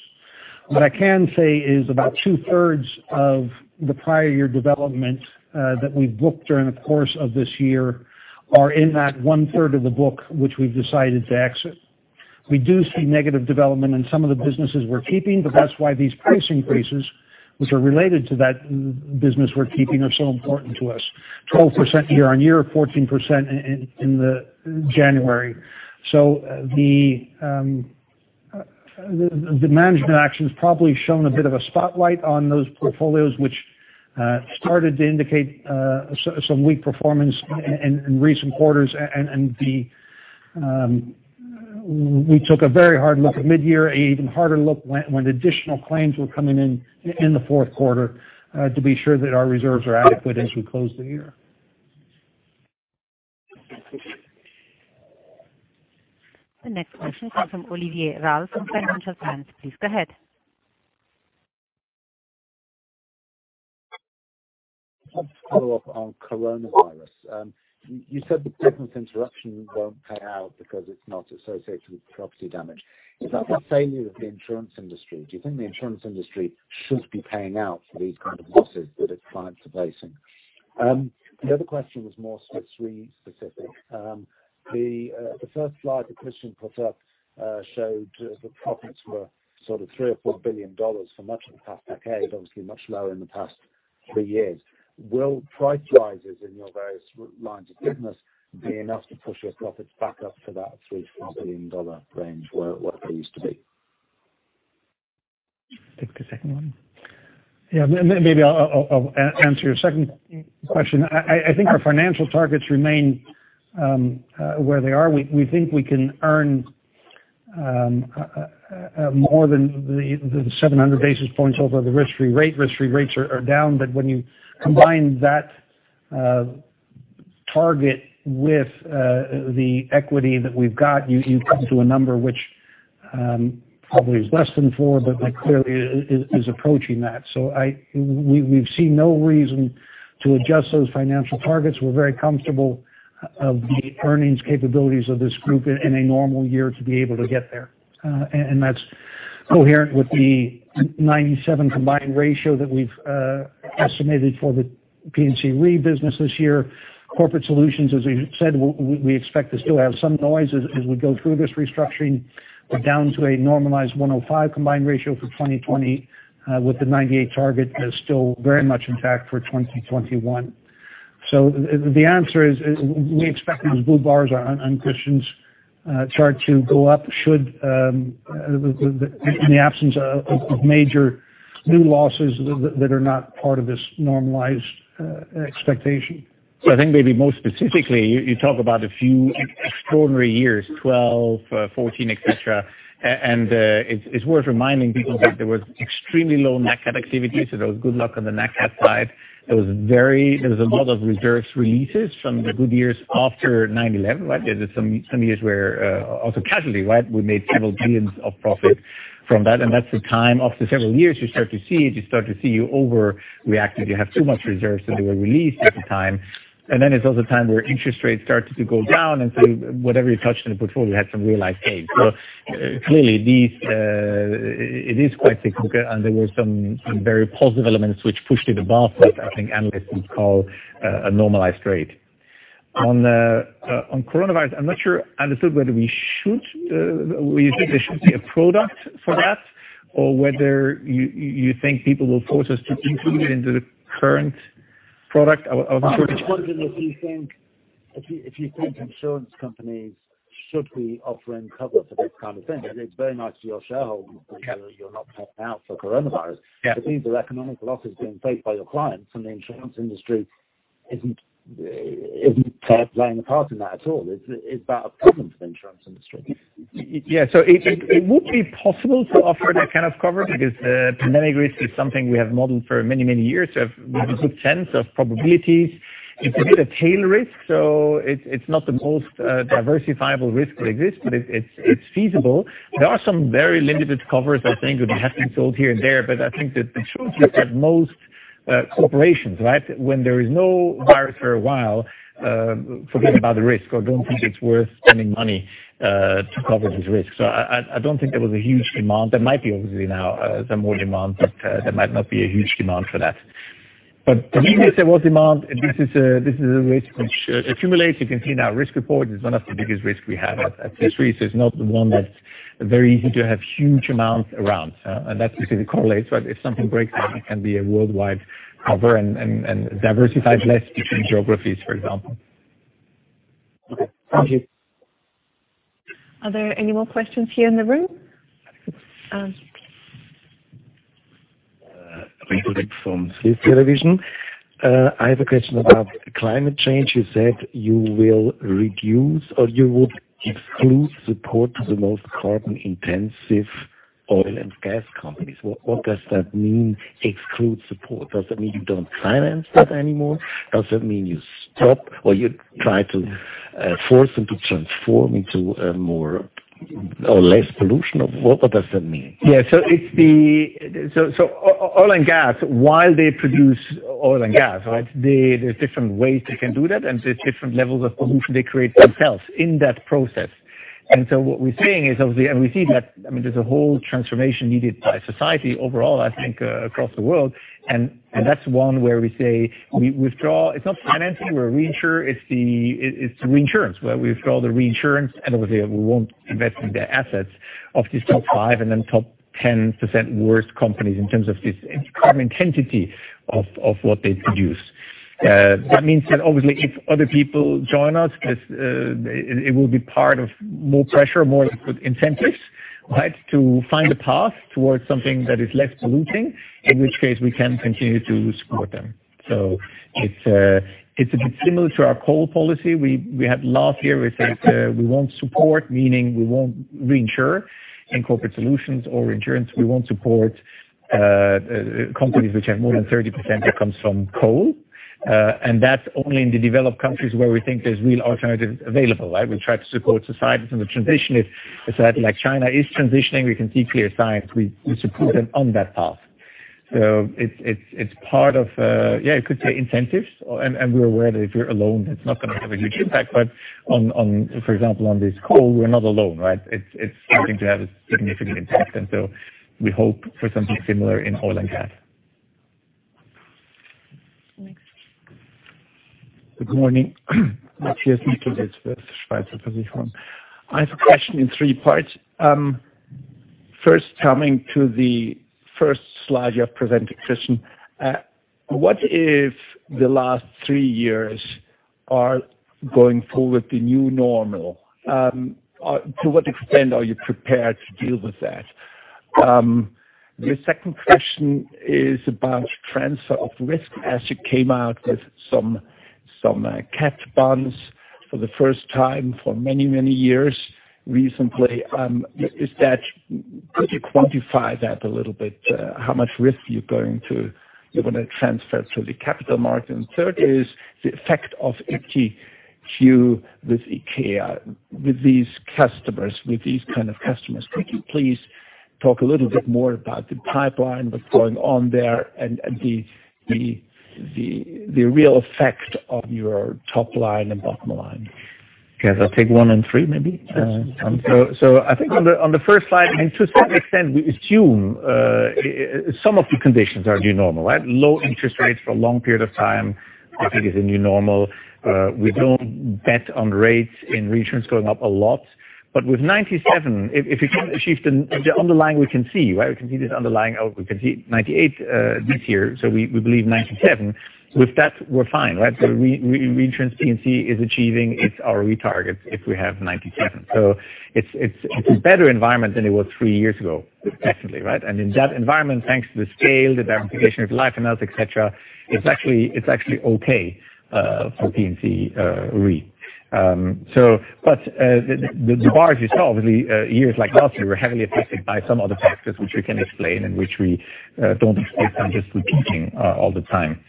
What I can say is about two-thirds of the prior year development that we've booked during the course of this year are in that one-third of the book which we've decided to exit. We do see negative development in some of the businesses we're keeping, that's why these price increases, which are related to that business we're keeping, are so important to us. 12% year-on-year, 14% in January. The management actions probably shone a bit of a spotlight on those portfolios, which started to indicate some weak performance in recent quarters. We took a very hard look at mid-year, an even harder look when additional claims were coming in in the fourth quarter, to be sure that our reserves are adequate as we close the year. The next question comes from Oliver Ralph from Financial Times. Please go ahead. Just to follow up on coronavirus. You said the business interruption won't pay out because it's not associated with property damage. Is that a failure of the insurance industry? Do you think the insurance industry should be paying out for these kind of losses clients are facing? The other question was more Swiss Re specific. The first slide that Christian put up showed the profits were sort of $3 billion or $4 billion for much of the past decade, obviously much lower in the past three years. Will price rises in your various lines of business be enough to push your profits back up to that $3 billion-$4 billion range where they used to be? Take the second one. Yeah. Maybe I'll answer your second question. I think our financial targets remain where they are. We think we can earn more than the 700 basis points over the risk-free rate. Risk-free rates are down, but when you combine that target with the equity that we've got, you come to a number which probably is less than four, but clearly is approaching that. We've seen no reason to adjust those financial targets. We're very comfortable of the earnings capabilities of this group in a normal year to be able to get there. That's coherent with the 97 combined ratio that we've estimated for the P&C Re business this year. Corporate Solutions, as we said, we expect to still have some noise as we go through this restructuring. We're down to a normalized 105 combined ratio for 2020, with the 98 target still very much intact for 2021. The answer is, we expect those blue bars on Christian's chart to go up, should in the absence of major new losses that are not part of this normalized expectation. I think maybe more specifically, you talk about a few extraordinary years, 2012, 2014, et cetera. It is worth reminding people that there was extremely low Nat cat activity, so there was good luck on the Nat cat side. There was a lot of reserves releases from the good years after 9/11, right? There's some years where also casualty, right, we made several billions of profit from that, and that's the time, after several years, you start to see it. You start to see you overreacted. You have too much reserves, so they were released at the time. There's also a time where interest rates started to go down, and so whatever you touched in the portfolio had some realized gains. Clearly, it is quite cyclical, and there were some very positive elements which pushed it above what I think analysts would call a normalized rate. On coronavirus, I'm not sure I understood whether you think there should be a product for that, or whether you think people will force us to include it into the current product. I'm not sure which- I'm just wondering if you think insurance companies should be offering cover for this kind of thing? It's very nice for your shareholders that you're not paying out for coronavirus. Yeah. These are economic losses being faced by your clients, and the insurance industry isn't playing a part in that at all. Is that a problem for the insurance industry? Yeah. It would be possible to offer that kind of cover because pandemic risk is something we have modeled for many years. We have a good sense of probabilities. It's a bit a tail risk, so it's not the most diversifiable risk that exists, but it's feasible. There are some very limited covers, I think, that have been sold here and there, but I think that the truth is that most corporations, right, when there is no virus for a while, forget about the risk or don't think it's worth spending money to cover this risk. I don't think there was a huge demand. There might be, obviously, now some more demand, but there might not be a huge demand for that. Even if there was demand, this is a risk which accumulates. You can see in our risk report, it's one of the biggest risks we have. It's a risk that's not one that's very easy to have huge amounts around. That's because it correlates, right? If something breaks out, it can be a worldwide cover and diversifies less between geographies, for example. Okay. Thank you. Are there any more questions here in the room? Andi Lüscher from Swiss Television. I have a question about climate change. You said you will reduce, or you would exclude support to the most carbon-intensive oil and gas companies. What does that mean, exclude support? Does that mean you don't finance that anymore? Does that mean you stop or you try to force them to transform into more or less pollution, or what does that mean? Yeah. Oil and gas, while they produce oil and gas, right, there's different ways they can do that, and there's different levels of pollution they create themselves in that process. What we're saying is, obviously, and we see that there's a whole transformation needed by society overall, I think, across the world, and that's one where we say we withdraw. It's not financing, it's reinsurance, where we withdraw the reinsurance. Obviously, we won't invest in their assets of these top five and then top 10% worst companies in terms of this carbon intensity of what they produce. That means that obviously if other people join us, it will be part of more pressure, more incentives, right, to find a path towards something that is less polluting, in which case we can continue to support them. It's a bit similar to our coal policy. We had last year, we said we won't support, meaning we won't reinsure in Corporate Solutions or reinsurance. We won't support companies which have more than 30% that comes from coal. That's only in the developed countries where we think there's real alternatives available, right? We try to support societies in the transition. If a society like China is transitioning, we can see clear signs, we support them on that path. It's part of, yeah, you could say incentives, and we're aware that if we're alone, it's not going to have a huge impact. For example, on this coal, we're not alone, right? It's starting to have a significant impact, we hope for something similar in oil and gas. Good morning. Matthias Niemietz with Schweizer Versicherung. I have a question in three parts. First, coming to the first slide you have presented, Christian. What if the last three years are going forward the new normal? To what extent are you prepared to deal with that? Second, the question is about transfer of risk, as you came out with some catastrophe bonds for the first time for many years recently. Could you quantify that a little bit? How much risk you're going to transfer to the capital market? Third is the effect of iptiQ with IKEA, with these kind of customers. Could you please talk a little bit more about the pipeline, what's going on there, and the real effect on your top line and bottom line? Okay. I'll take one and three, maybe. Yes. I think on the first slide, to a certain extent, we assume some of the conditions are new normal, right? Low interest rates for a long period of time, I think is a new normal. We don't bet on rates in reinsurance going up a lot. With 97, if you kind of achieve the underlying, we can see, right? We can see this underlying. We can see 98 this year. We believe 97. With that, we're fine, right? Reinsurance P&C is achieving its RE targets if we have 97. It's a better environment than it was three years ago, effectively, right? In that environment, thanks to the scale, the diversification of Life & Health, et cetera, it's actually okay for P&C Re. The bars you saw, obviously, years like last year were heavily affected by some other factors which we can explain and which we don't expect are just repeating all the time.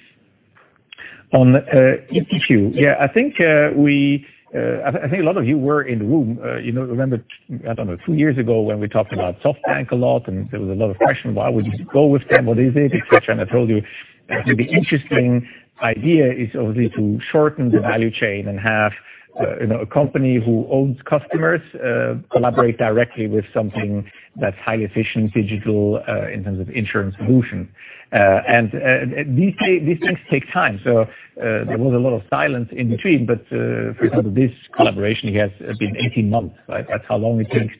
On iptiQ, yeah, I think a lot of you were in the room. Remember, I don't know, two years ago when we talked about SoftBank a lot and there was a lot of question, why would you go with them, what is it, et cetera? I told you the interesting idea is obviously to shorten the value chain and have a company who owns customers collaborate directly with something that's highly efficient, digital in terms of insurance solution. These things take time. There was a lot of silence in between, but for example, this collaboration here has been 18 months, right? That's how long it takes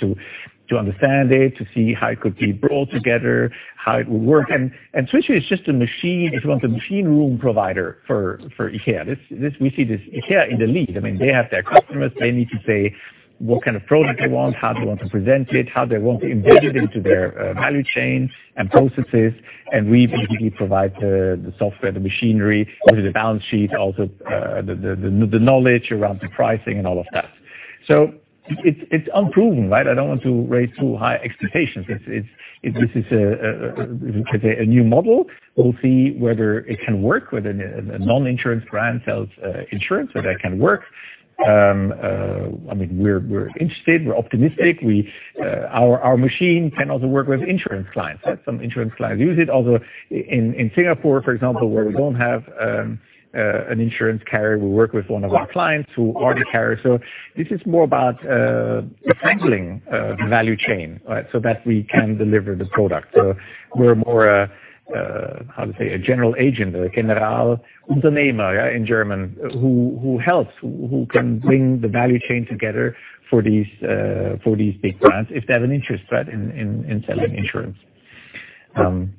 to understand it, to see how it could be brought together, how it would work. It's just a machine. It's almost a machine room provider for IKEA. We see this, IKEA in the lead. They have their customers. They need to say what kind of product they want, how they want to present it, how they want to embed it into their value chain and processes, and we basically provide the software, the machinery, obviously the balance sheet, also the knowledge around the pricing and all of that. It's unproven, right? I don't want to raise too high expectations. This is a new model. We'll see whether it can work, whether a non-insurance brand sells insurance. That can work. We're interested, we're optimistic. Our machine can also work with insurance clients, right? Some insurance clients use it. Although in Singapore, for example, where we don't have an insurance carrier, we work with one of our clients who are the carrier. This is more about assembling the value chain, right? That we can deliver the product. We're more a, how to say, a general agent, a Generalunternehmer in German, who helps, who can bring the value chain together for these big brands if they have an interest, right, in selling insurance. Maybe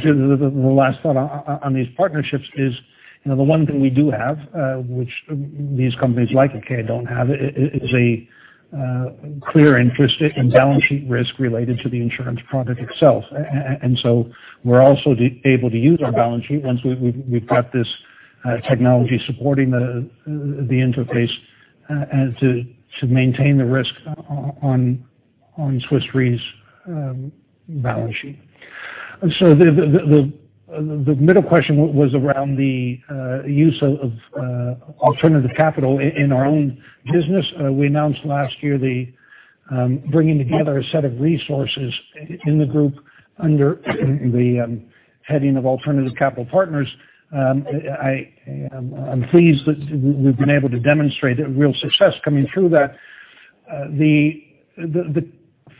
the last thought on these partnerships is, the one thing we do have, which these companies like IKEA don't have, is a clear interest in balance sheet risk related to the insurance product itself. We're also able to use our balance sheet once we've got this technology supporting the interface to maintain the risk on Swiss Re's balance sheet. The middle question was around the use of alternative capital in our own business. We announced last year the bringing together a set of resources in the group under the heading of Alternative Capital Partners. I'm pleased that we've been able to demonstrate a real success coming through that. The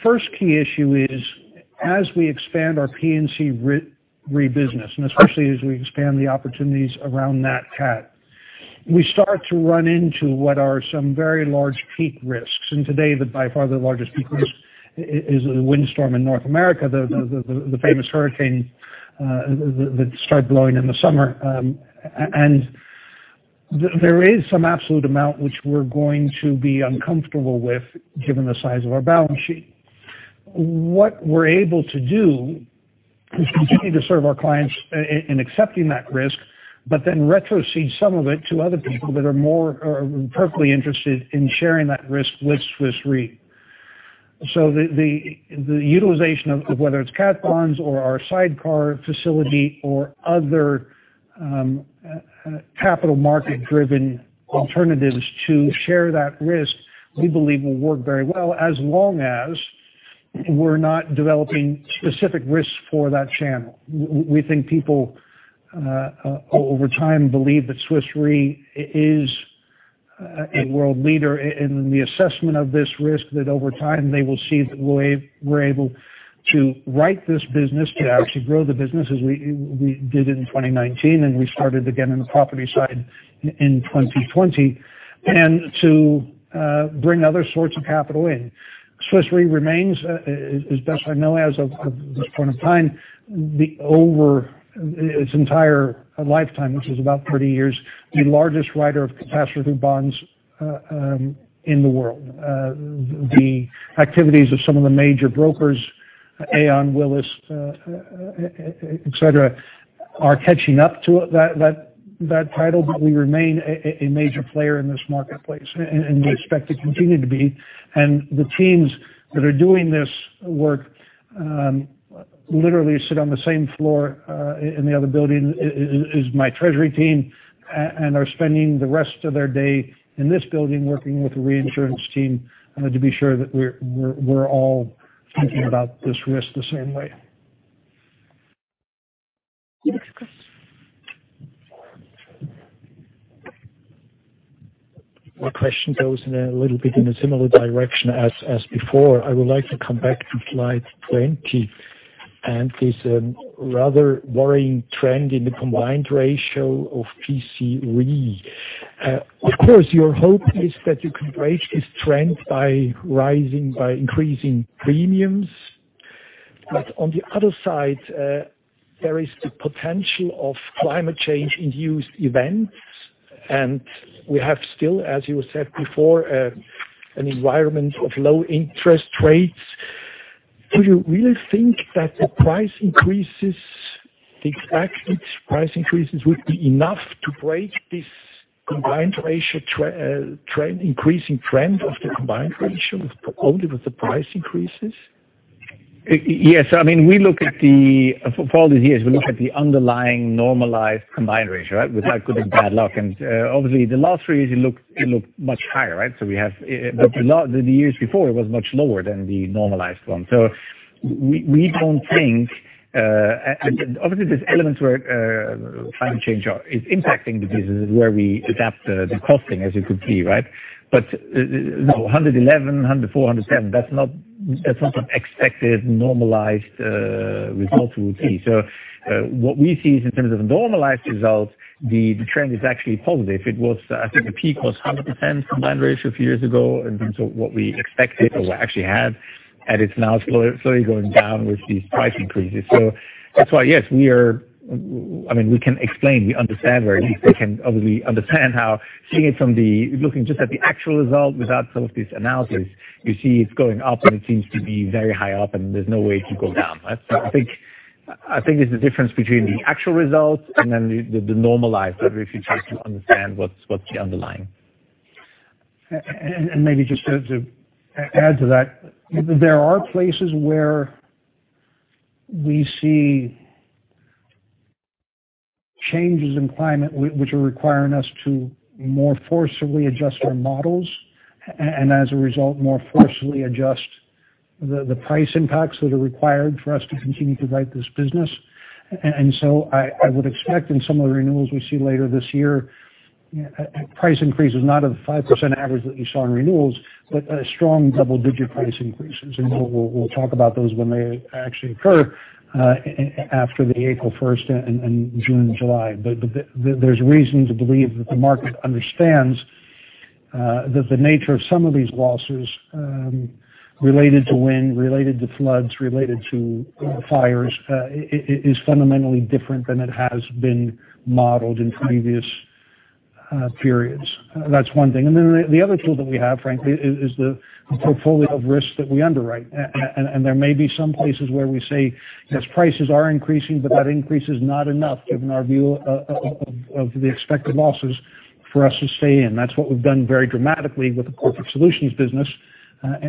first key issue is as we expand our P&C Re business, especially as we expand the opportunities around Nat cat, we start to run into what are some very large peak risks. Today, by far the largest peak risk is a windstorm in North America, the famous hurricane that started blowing in the summer. There is some absolute amount which we're going to be uncomfortable with given the size of our balance sheet. What we're able to do is continue to serve our clients in accepting that risk, but then retrocede some of it to other people that are more perfectly interested in sharing that risk with Swiss Re. The utilization of whether it's cat bonds or our sidecar facility or other capital market driven alternatives to share that risk, we believe will work very well as long as we're not developing specific risks for that channel. We think people, over time, believe that Swiss Re is a world leader in the assessment of this risk that over time they will see that we're able to write this business, to actually grow the business as we did in 2019, and we started again in the property side in 2020, and to bring other sorts of capital in. Swiss Re remains, as best I know, as of this point of time, over its entire lifetime, which is about 30 years, the largest writer of catastrophe bonds in the world. The activities of some of the major brokers, Aon, Willis, et cetera, are catching up to that title. We remain a major player in this marketplace, and we expect to continue to be. The teams that are doing this work literally sit on the same floor in the other building as my treasury team, and are spending the rest of their day in this building working with the reinsurance team to be sure that we're all thinking about this risk the same way. Next question. My question goes a little bit in a similar direction as before. I would like to come back to slide 20 and this rather worrying trend in the combined ratio of P&C Re. Of course, your hope is that you can break this trend by increasing premiums. On the other side, there is the potential of climate change-induced events, and we have still, as you said before, an environment of low interest rates. Do you really think that the expected price increases would be enough to break this increasing trend of the combined ratio, only with the price increases? Yes. For all these years, we look at the underlying normalized combined ratio, right? With luck or bad luck. Obviously, the last three years it looked much higher, right? The years before it was much lower than the normalized one. We don't think, obviously there's elements where climate change is impacting the business, where we adapt the costing, as you could see, right? No, 111, 104, 107, that's not some expected normalized result we would see. What we see is in terms of normalized results, the trend is actually positive. I think the peak was 100% combined ratio a few years ago in terms of what we expected or actually had, and it's now slowly going down with these price increases. That's why yes, we can explain, we understand very well. We can obviously understand how seeing it from looking just at the actual result without some of this analysis, you see it's going up and it seems to be very high up and there's no way to go down. I think there's a difference between the actual results and then the normalized, but if you try to understand what's the underlying. Maybe just to add to that, there are places where we see changes in climate which are requiring us to more forcibly adjust our models, and as a result, more forcibly adjust the price impacts that are required for us to continue to write this business. I would expect in some of the renewals we see later this year, price increases, not of the 5% average that you saw in renewals, but strong double-digit price increases. We'll talk about those when they actually occur, after the April 1st and June, July. There's reason to believe that the market understands that the nature of some of these losses, related to wind, related to floods, related to fires, is fundamentally different than it has been modeled in previous periods. That's one thing. The other tool that we have, frankly, is the portfolio of risks that we underwrite. There may be some places where we say, "Yes, prices are increasing, but that increase is not enough given our view of the expected losses for us to stay in." That's what we've done very dramatically with the Corporate Solutions business,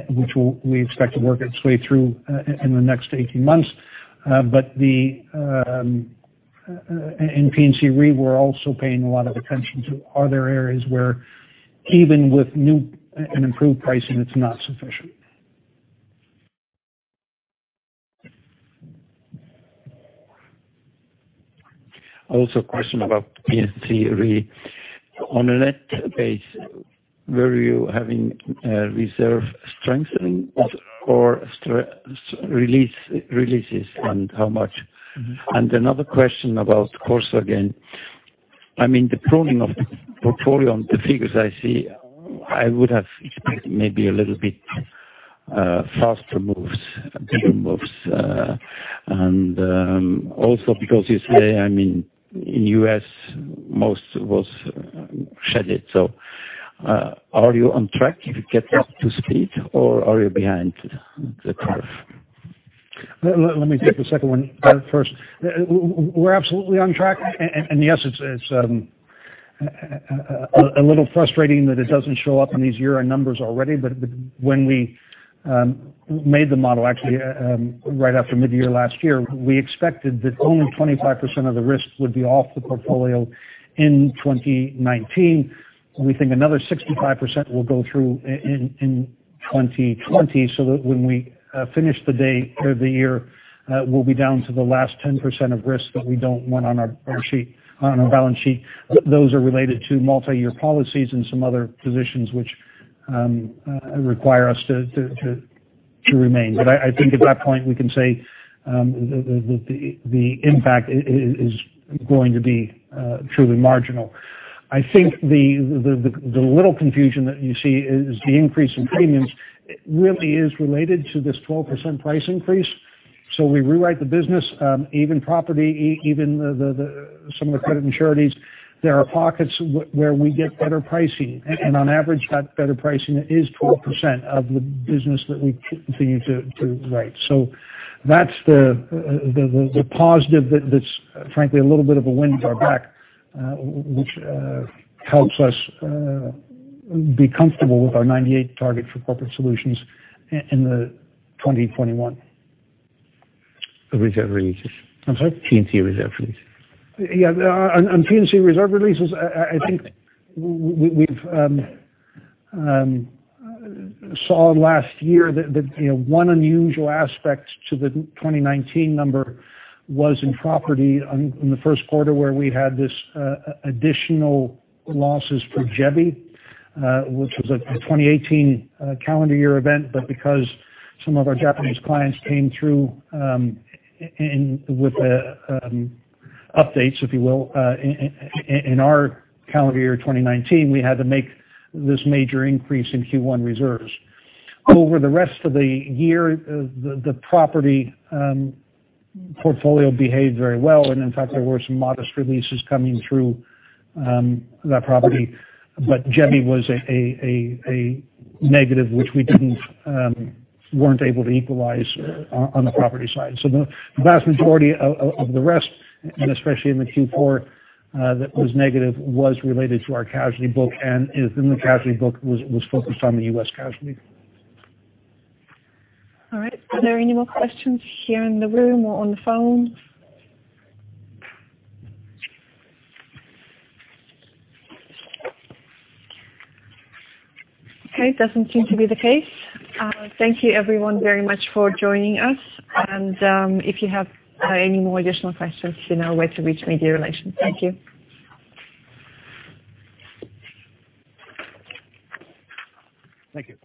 which we expect to work its way through in the next 18 months. In P&C Re, we're also paying a lot of attention to other areas where even with new and improved pricing, it's not sufficient. A question about P&C Re. On a net base, were you having reserve strengthening or releases, and how much? Another question about CorSo again. The pruning of the portfolio, the figures I see, I would have expected maybe a little bit faster moves, bigger moves. Also because you say, in the U.S., most was shed. Are you on track to get up to speed, or are you behind the curve? Let me take the second one first. We're absolutely on track. Yes, it's a little frustrating that it doesn't show up in these year-end numbers already. When we made the model, actually right after mid-year last year, we expected that only 25% of the risks would be off the portfolio in 2019. We think another 65% will go through in 2020, so that when we finish the day or the year, we'll be down to the last 10% of risks that we don't want on our balance sheet. Those are related to multi-year policies and some other positions which require us to remain. I think at that point we can say the impact is going to be truly marginal. I think the little confusion that you see is the increase in premiums really is related to this 12% price increase. We rewrite the business, even property, even some of the credit and surety, there are pockets where we get better pricing. On average, that better pricing is 12% of the business that we continue to write. That's the positive that's frankly a little bit of a wind at our back, which helps us be comfortable with our 98% target for Corporate Solutions in 2021. Reserve releases. I'm sorry? P&C reserve releases. Yeah. On P&C reserve releases, I think we've saw last year that one unusual aspect to the 2019 number was in property in the first quarter where we had this additional losses for Jebi, which was a 2018 calendar year event. Because some of our Japanese clients came through with updates, if you will, in our calendar year 2019, we had to make this major increase in Q1 reserves. Over the rest of the year, the property portfolio behaved very well, and in fact, there were some modest releases coming through that property. Jebi was a negative, which we weren't able to equalize on the property side. The vast majority of the rest, and especially in the Q4 that was negative, was related to our casualty book, and within the casualty book was focused on the U.S. casualty. All right. Are there any more questions here in the room or on the phone? Okay, it doesn't seem to be the case. Thank you everyone very much for joining us. If you have any more additional questions, you know where to reach media relations. Thank you. Thank you.